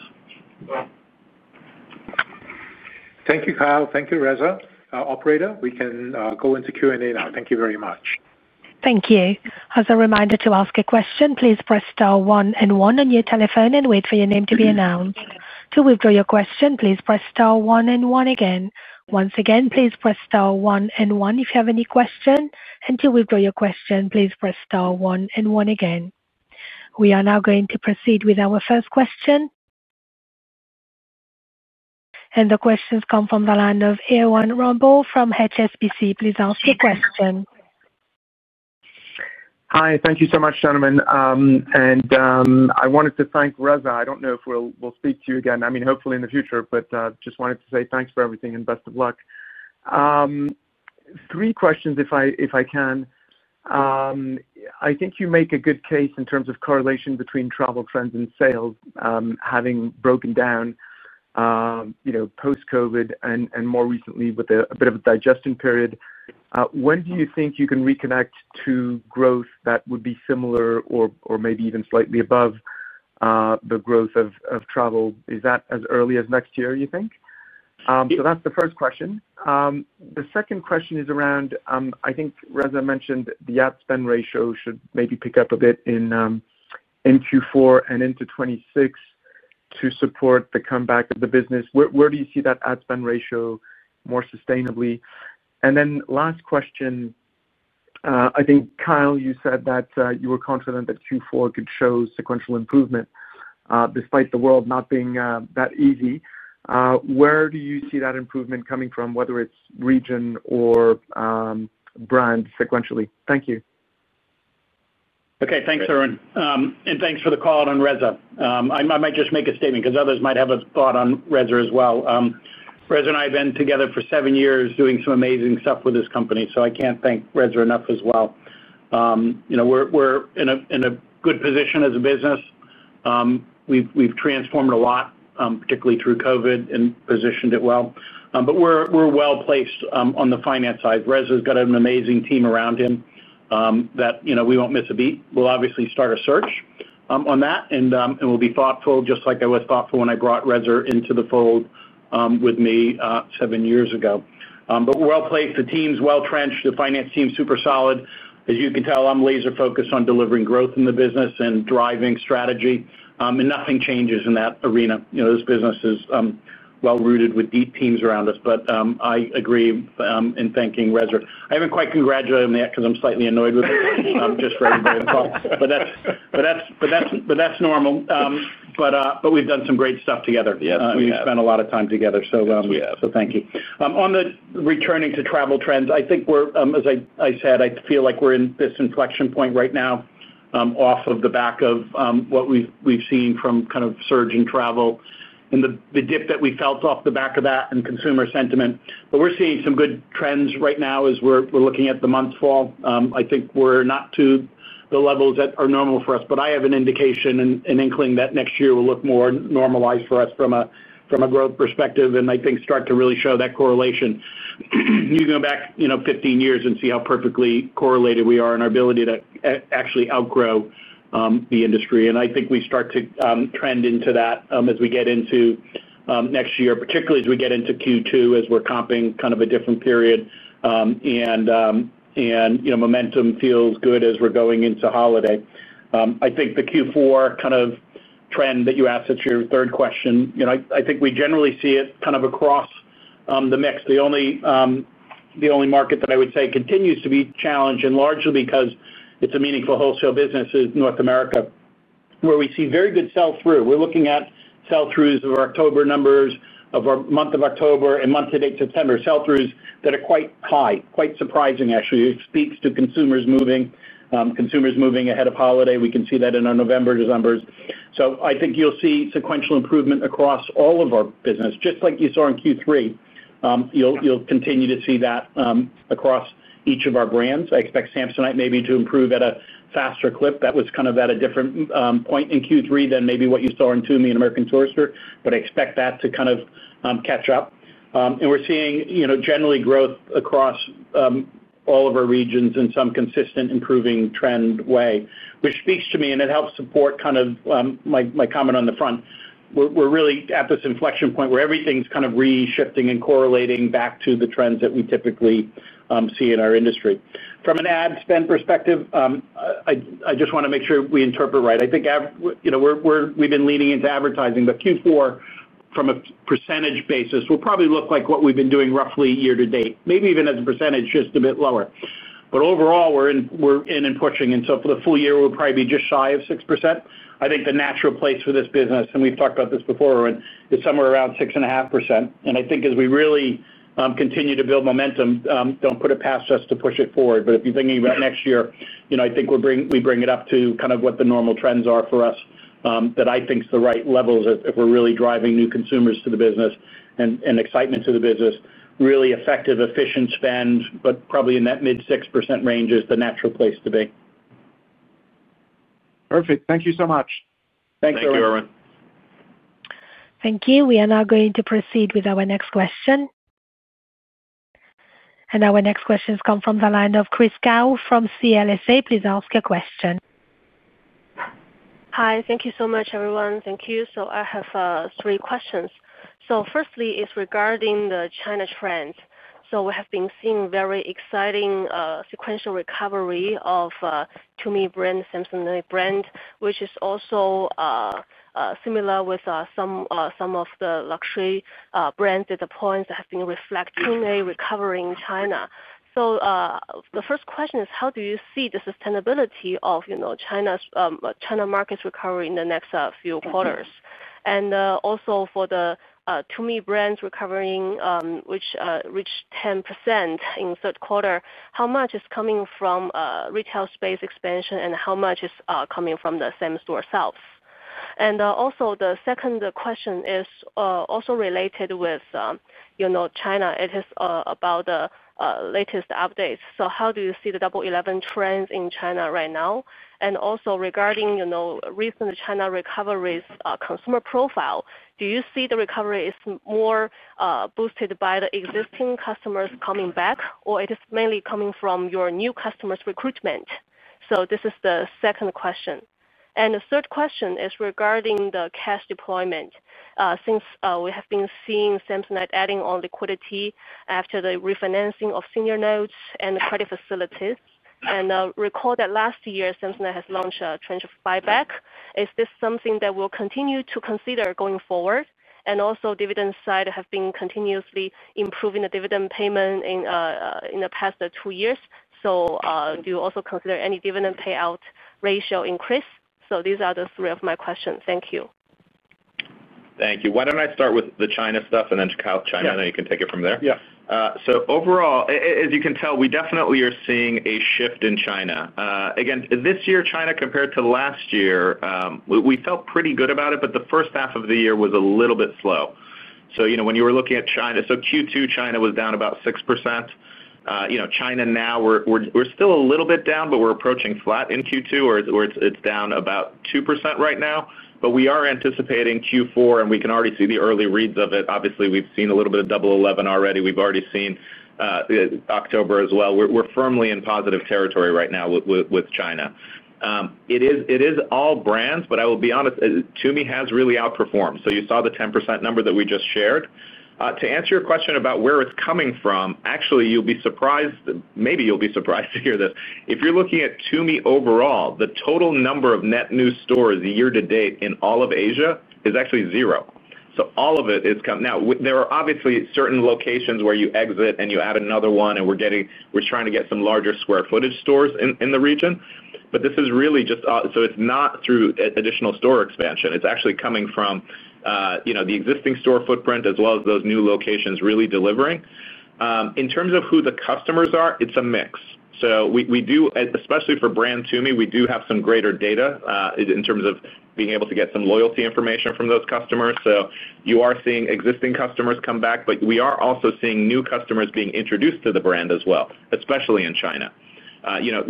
Thank you, Kyle. Thank you, Reza. Operator, we can go into Q&A now. Thank you very much. As a reminder, to ask a question, please press star one and one on your telephone and wait for your name to be announced. To withdraw your question, please press star one and one again. Once again, please press star one and one if you have any question. To withdraw your question, please press star one and one again. We are now going to proceed with our first question. The questions come from the line of Erwan Rambourg from HSBC. Please ask your question. Hi. Thank you so much, gentlemen. I wanted to thank Reza. I don't know if we'll speak to you again. I mean, hopefully in the future, but just wanted to say thanks for everything and best of luck. Three questions if I can. I think you make a good case in terms of correlation between travel trends and sales having broken down post-COVID and more recently with a bit of a digestion period. When do you think you can reconnect to growth that would be similar or maybe even slightly above the growth of travel? Is that as early as next year, you think? That is the first question. The second question is around, I think Reza mentioned the ad spend ratio should maybe pick up a bit in Q4 and into 2026 to support the comeback of the business. Where do you see that ad spend ratio more sustainably? And then last question, I think, Kyle, you said that you were confident that Q4 could show sequential improvement despite the world not being that easy. Where do you see that improvement coming from, whether it's region or brand sequentially? Thank you. Okay. Thanks, Erwan. And thanks for the call on Reza. I might just make a statement because others might have a thought on Reza as well. Reza and I have been together for seven years doing some amazing stuff with this company. So I can't thank Reza enough as well. We're in a good position as a business. We've transformed a lot, particularly through COVID, and positioned it well. We're well placed on the finance side. Reza's got an amazing team around him that we won't miss a beat. We'll obviously start a search on that, and we'll be thoughtful just like I was thoughtful when I brought Reza into the fold with me seven years ago. We're well placed. The team's well trenched. The finance team's super solid. As you can tell, I'm laser-focused on delivering growth in the business and driving strategy. Nothing changes in that arena. This business is well-rooted with deep teams around us. I agree in thanking Reza. I haven't quite congratulated him yet because I'm slightly annoyed with him just for everybody's fault. That's normal. We've done some great stuff together. We spent a lot of time together. Thank you. On the returning to travel trends, I think we're, as I said, I feel like we're in this inflection point right now off of the back of what we've seen from kind of surge in travel and the dip that we felt off the back of that and consumer sentiment. We're seeing some good trends right now as we're looking at the month fall. I think we're not to the levels that are normal for us. I have an indication and inkling that next year will look more normalized for us from a growth perspective and I think start to really show that correlation. You go back 15 years and see how perfectly correlated we are in our ability to actually outgrow the industry. I think we start to trend into that as we get into next year, particularly as we get into Q2 as we're comping kind of a different period. Momentum feels good as we're going into holiday. I think the Q4 kind of trend that you asked at your third question, I think we generally see it kind of across the mix. The only market that I would say continues to be challenged and largely because it's a meaningful wholesale business is North America, where we see very good sell-through. We're looking at sell-throughs of October numbers, of our month of October, and month to date September, sell-throughs that are quite high, quite surprising, actually. It speaks to consumers moving ahead of holiday. We can see that in our November, December. I think you'll see sequential improvement across all of our business, just like you saw in Q3. You'll continue to see that across each of our brands. I expect Samsonite maybe to improve at a faster clip. That was kind of at a different point in Q3 than maybe what you saw in TUMI and American Tourister. I expect that to kind of catch up. We're seeing generally growth across all of our regions in some consistent improving trend way, which speaks to me and it helps support kind of my comment on the front. We're really at this inflection point where everything's kind of reshifting and correlating back to the trends that we typically see in our industry. From an ad spend perspective, I just want to make sure we interpret right. I think we've been leaning into advertising, but Q4 from a percentage basis will probably look like what we've been doing roughly year-to-date, maybe even as a percentage just a bit lower. Overall, we're in and pushing. For the full year, we'll probably be just shy of 6%. I think the natural place for this business, and we've talked about this before, is somewhere around 6.5%. I think as we really continue to build momentum, don't put it past us to push it forward. If you're thinking about next year, I think we bring it up to kind of what the normal trends are for us that I think is the right levels if we're really driving new consumers to the business and excitement to the business. Really effective, efficient spend, but probably in that mid 6% range is the natural place to be. Perfect. Thank you so much. Thanks, Erwan. Thank you, Erwan. Thank you. We are now going to proceed with our next question. Our next questions come from the line of Chris Gao from CLSA. Please ask your question. Hi. Thank you so much, everyone. Thank you. I have three questions. Firstly, it is regarding the China trend. We have been seeing very exciting sequential recovery of TUMI brand, Samsonite brand, which is also similar with some of the luxury brands at the point that have been reflecting a recovery in China. The first question is, how do you see the sustainability of China's China markets recovery in the next few quarters? Also, for the TUMI brands recovering, which reached 10% in third quarter, how much is coming from retail space expansion and how much is coming from the same store sales? The second question is also related with China. It is about the latest updates. How do you see the Double 11 trends in China right now? Also, regarding recent China recovery's consumer profile, do you see the recovery is more boosted by the existing customers coming back, or is it mainly coming from your new customers' recruitment? This is the second question. The third question is regarding the cash deployment since we have been seeing Samsonite adding on liquidity after the refinancing of senior notes and the credit facilities. Recall that last year, Samsonite has launched a tranche of buyback. Is this something that you will continue to consider going forward? Also, on the dividend side, you have been continuously improving the dividend payment in the past two years. Do you also consider any dividend payout ratio increase? These are the three of my questions. Thank you. Thank you. Why do not I start with the China stuff and then to China, and then you can take it from there? Yeah. Overall, as you can tell, we definitely are seeing a shift in China. Again, this year, China compared to last year, we felt pretty good about it, but the first half of the year was a little bit slow. When you were looking at China, Q2, China was down about 6%. China now, we are still a little bit down, but we are approaching flat in Q2, where it is down about 2% right now. We are anticipating Q4, and we can already see the early reads of it. Obviously, we have seen a little bit of double 11 already. We have already seen October as well. We are firmly in positive territory right now with China. It is all brands, but I will be honest, TUMI has really outperformed. You saw the 10% number that we just shared. To answer your question about where it's coming from, actually, you may be surprised to hear this—if you're looking at TUMI overall, the total number of net new stores year-to-date in all of Asia is actually zero. All of it is coming now. There are obviously certain locations where you exit and you add another one, and we're trying to get some larger square footage stores in the region. This is really just—it's not through additional store expansion. It's actually coming from the existing store footprint as well as those new locations really delivering. In terms of who the customers are, it's a mix. We do, especially for brand TUMI, have some greater data in terms of being able to get some loyalty information from those customers. You are seeing existing customers come back, but we are also seeing new customers being introduced to the brand as well, especially in China.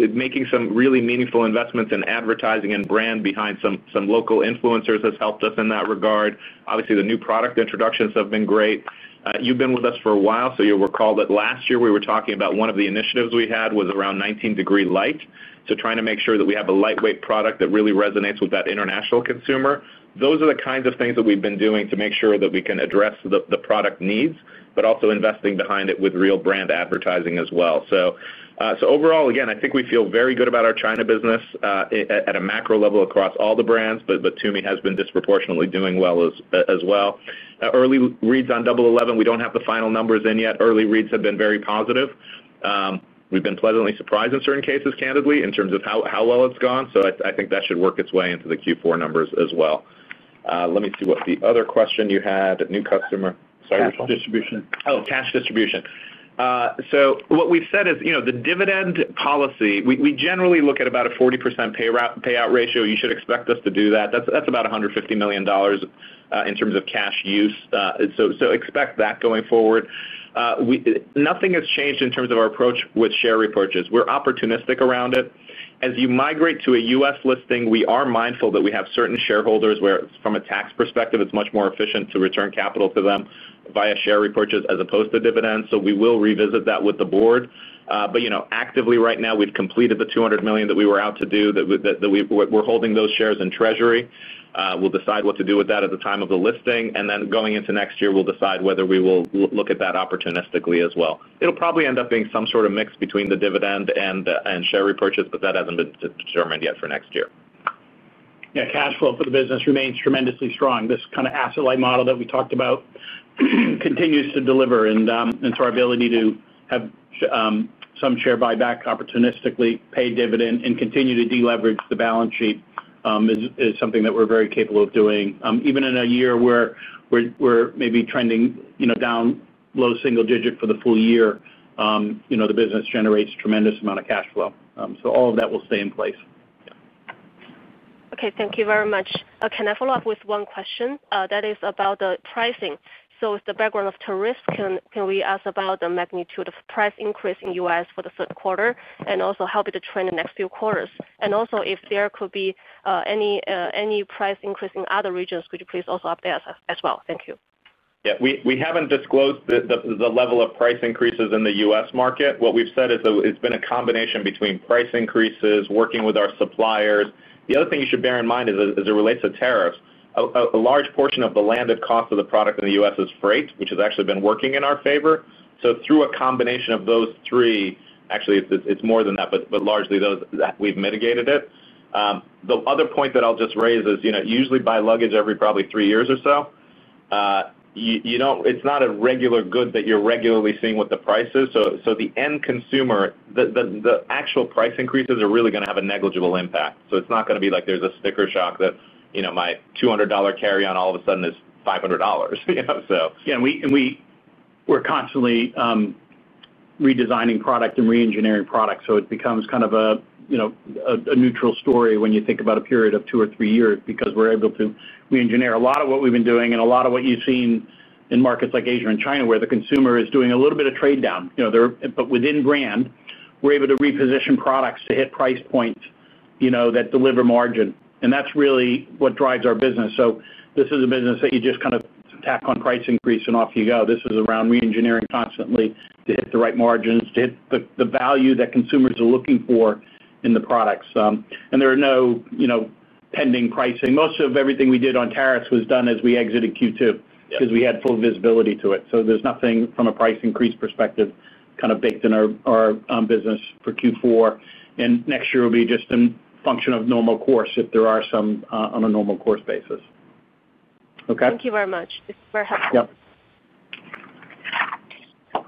Making some really meaningful investments in advertising and brand behind some local influencers has helped us in that regard. Obviously, the new product introductions have been great. You've been with us for a while, so you'll recall that last year we were talking about one of the initiatives we had was around 19 DEGREE LIGHT. Trying to make sure that we have a lightweight product that really resonates with that international consumer. Those are the kinds of things that we've been doing to make sure that we can address the product needs, but also investing behind it with real brand advertising as well. Overall, again, I think we feel very good about our China business at a macro level across all the brands, but TUMI has been disproportionately doing well as well. Early reads on Double 11, we do not have the final numbers in yet. Early reads have been very positive. We have been pleasantly surprised in certain cases, candidly, in terms of how well it has gone. I think that should work its way into the Q4 numbers as well. Let me see what the other question you had. New customer. Sorry, distribution. Oh, cash distribution. What we have said is the dividend policy, we generally look at about a 40% payout ratio. You should expect us to do that. That is about $150 million in terms of cash use. Expect that going forward. Nothing has changed in terms of our approach with share repurchase. We are opportunistic around it. As you migrate to a US listing, we are mindful that we have certain shareholders where, from a tax perspective, it's much more efficient to return capital to them via share repurchase as opposed to dividends. We will revisit that with the board. Actively right now, we've completed the $200 million that we were out to do, and we're holding those shares in treasury. We'll decide what to do with that at the time of the listing. Going into next year, we'll decide whether we will look at that opportunistically as well. It'll probably end up being some sort of mix between the dividend and share repurchase, but that hasn't been determined yet for next year. Yeah. Cash flow for the business remains tremendously strong. This kind of asset-light model that we talked about continues to deliver. Our ability to have some share buyback, opportunistically pay dividend, and continue to deleverage the balance sheet is something that we are very capable of doing. Even in a year where we are maybe trending down low single digit for the full year, the business generates a tremendous amount of cash flow. All of that will stay in place. Okay. Thank you very much. Can I follow up with one question that is about the pricing? With the background of tariffs, can we ask about the magnitude of price increase in the US for the third quarter and also how it will trend in the next few quarters? Also, if there could be any price increase in other regions, could you please also update us as well? Thank you. Yeah. We have not disclosed the level of price increases in the US market. What we've said is it's been a combination between price increases, working with our suppliers. The other thing you should bear in mind as it relates to tariffs, a large portion of the landed cost of the product in the US is freight, which has actually been working in our favor. Through a combination of those three, actually, it's more than that, but largely we've mitigated it. The other point that I'll just raise is you usually buy luggage every probably three years or so. It's not a regular good that you're regularly seeing what the price is. The end consumer, the actual price increases are really going to have a negligible impact. It's not going to be like there's a sticker shock that my $200 carry-on all of a sudden is $500. Yeah. We're constantly redesigning product and re-engineering product. It becomes kind of a neutral story when you think about a period of two or three years because we're able to re-engineer a lot of what we've been doing and a lot of what you've seen in markets like Asia and China where the consumer is doing a little bit of trade down. Within brand, we're able to reposition products to hit price points that deliver margin. That's really what drives our business. This is a business that you just kind of tack on price increase and off you go. This is around re-engineering constantly to hit the right margins, to hit the value that consumers are looking for in the products. There are no pending pricing. Most of everything we did on tariffs was done as we exited Q2 because we had full visibility to it. There is nothing from a price increase perspective kind of baked in our business for Q4. Next year will be just in function of normal course if there are some on a normal course basis. Okay? Thank you very much. This is very helpful. Yep.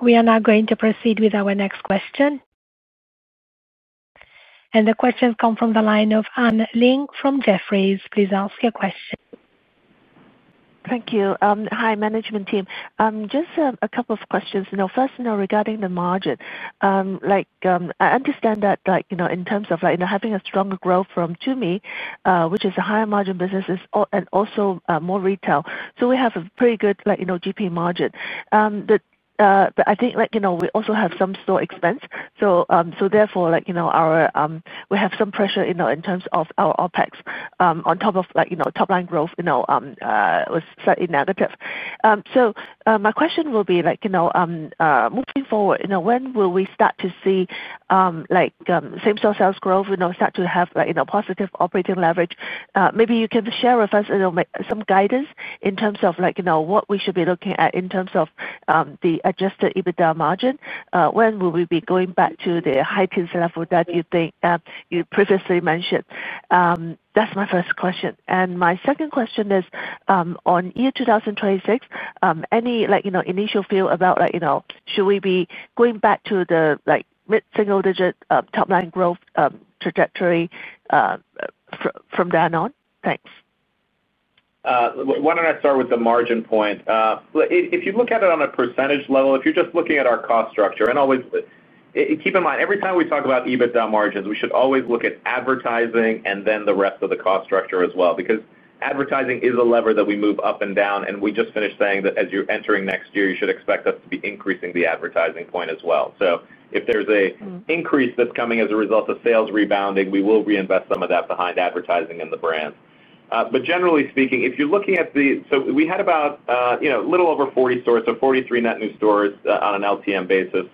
We are now going to proceed with our next question. The questions come from the line of Ling from Jefferies. Please ask your question. Thank you. Hi, management team. Just a couple of questions. First, regarding the margin, I understand that in terms of having a stronger growth from TUMI, which is a higher margin business and also more retail. We have a pretty good GP margin. I think we also have some store expense, so therefore, we have some pressure in terms of our OPEX on top of top-line growth was slightly negative. My question will be, moving forward, when will we start to see same-store sales growth start to have positive operating leverage? Maybe you can share with us some guidance in terms of what we should be looking at in terms of the adjusted EBITDA margin. When will we be going back to the high-teens level that you think you previously mentioned? That's my first question. My second question is, on year 2026, any initial feel about should we be going back to the mid single-digit top-line growth trajectory from then on? Thanks. Why don't I start with the margin point? If you look at it on a percentage level, if you're just looking at our cost structure, and always keep in mind, every time we talk about EBITDA margins, we should always look at advertising and then the rest of the cost structure as well. Because advertising is a lever that we move up and down. We just finished saying that as you're entering next year, you should expect us to be increasing the advertising point as well. If there's an increase that's coming as a result of sales rebounding, we will reinvest some of that behind advertising and the brand. Generally speaking, if you're looking at the, we had about a little over 40 stores, so 43 net new stores on an LTM basis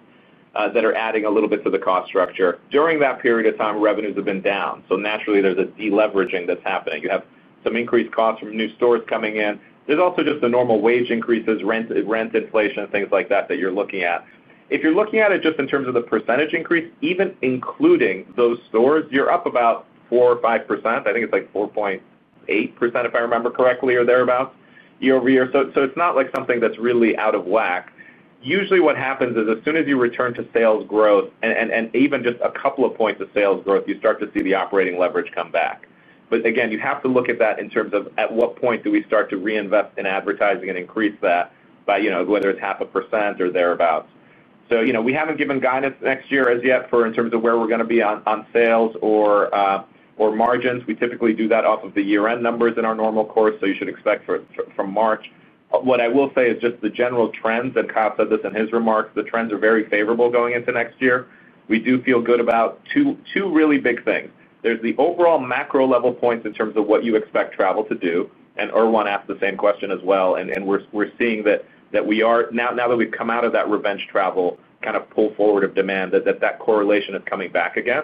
that are adding a little bit to the cost structure. During that period of time, revenues have been down. Naturally, there's a deleveraging that's happening. You have some increased costs from new stores coming in. There's also just the normal wage increases, rent inflation, things like that that you're looking at. If you're looking at it just in terms of the percentage increase, even including those stores, you're up about 4% or 5%. I think it's like 4.8%, if I remember correctly, or thereabouts, year over year. It's not like something that's really out of whack. Usually, what happens is as soon as you return to sales growth and even just a couple of points of sales growth, you start to see the operating leverage come back. Again, you have to look at that in terms of at what point do we start to reinvest in advertising and increase that, whether it's half a percent or thereabouts. We haven't given guidance next year as yet in terms of where we're going to be on sales or margins. We typically do that off of the year-end numbers in our normal course. You should expect from March. What I will say is just the general trends, and Kyle said this in his remarks, the trends are very favorable going into next year. We do feel good about two really big things. There is the overall macro level points in terms of what you expect travel to do. Erwan asked the same question as well. We are seeing that now that we have come out of that revenge travel, kind of pull forward of demand, that that correlation is coming back again.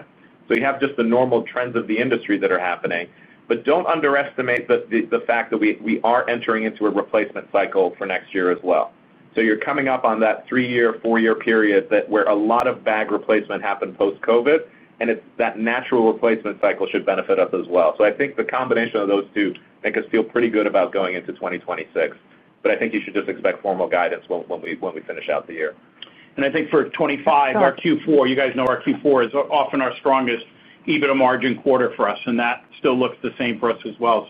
You have just the normal trends of the industry that are happening. Do not underestimate the fact that we are entering into a replacement cycle for next year as well. You are coming up on that three-year, four-year period where a lot of bag replacement happened post-COVID. That natural replacement cycle should benefit us as well. I think the combination of those two makes us feel pretty good about going into 2026. I think you should just expect formal guidance when we finish out the year. I think for 2025, our Q4, you guys know our Q4 is often our strongest EBITDA margin quarter for us. That still looks the same for us as well.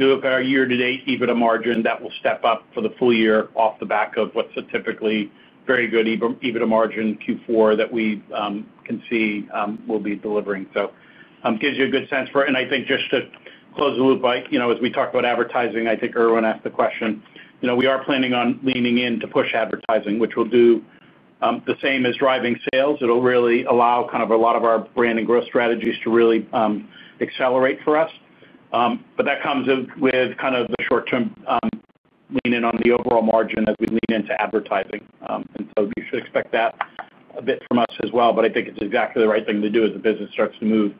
Our year-to-date EBITDA margin, that will step up for the full year off the back of what is a typically very good EBITDA margin Q4 that we can see will be delivering. It gives you a good sense for it. I think just to close the loop, as we talked about advertising, I think Erwan asked the question. We are planning on leaning in to push advertising, which will do the same as driving sales. It'll really allow kind of a lot of our brand and growth strategies to really accelerate for us. That comes with kind of the short-term lean-in on the overall margin as we lean into advertising. You should expect that a bit from us as well. I think it's exactly the right thing to do as the business starts to move.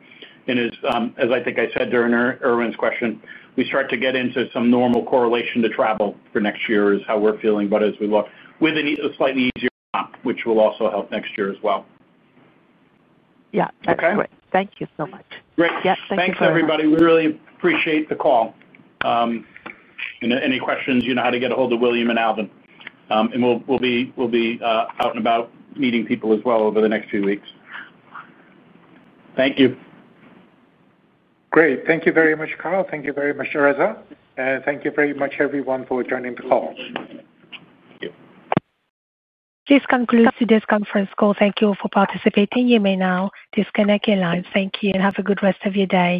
As I think I said during Erwan's question, we start to get into some normal correlation to travel for next year is how we're feeling about it as we look, with a slightly easier comp, which will also help next year as well. Yeah. That's great. Thank you so much. Great. Thanks, everybody. We really appreciate the call. Any questions, you know how to get a hold of William and Alvin. We will be out and about meeting people as well over the next few weeks. Thank you. Great. Thank you very much, Kyle. Thank you very much, Reza. And thank you very much, everyone, for joining the call. Thank you. This concludes today's conference call. Thank you for participating. You may now disconnect your line. Thank you and have a good rest of your day.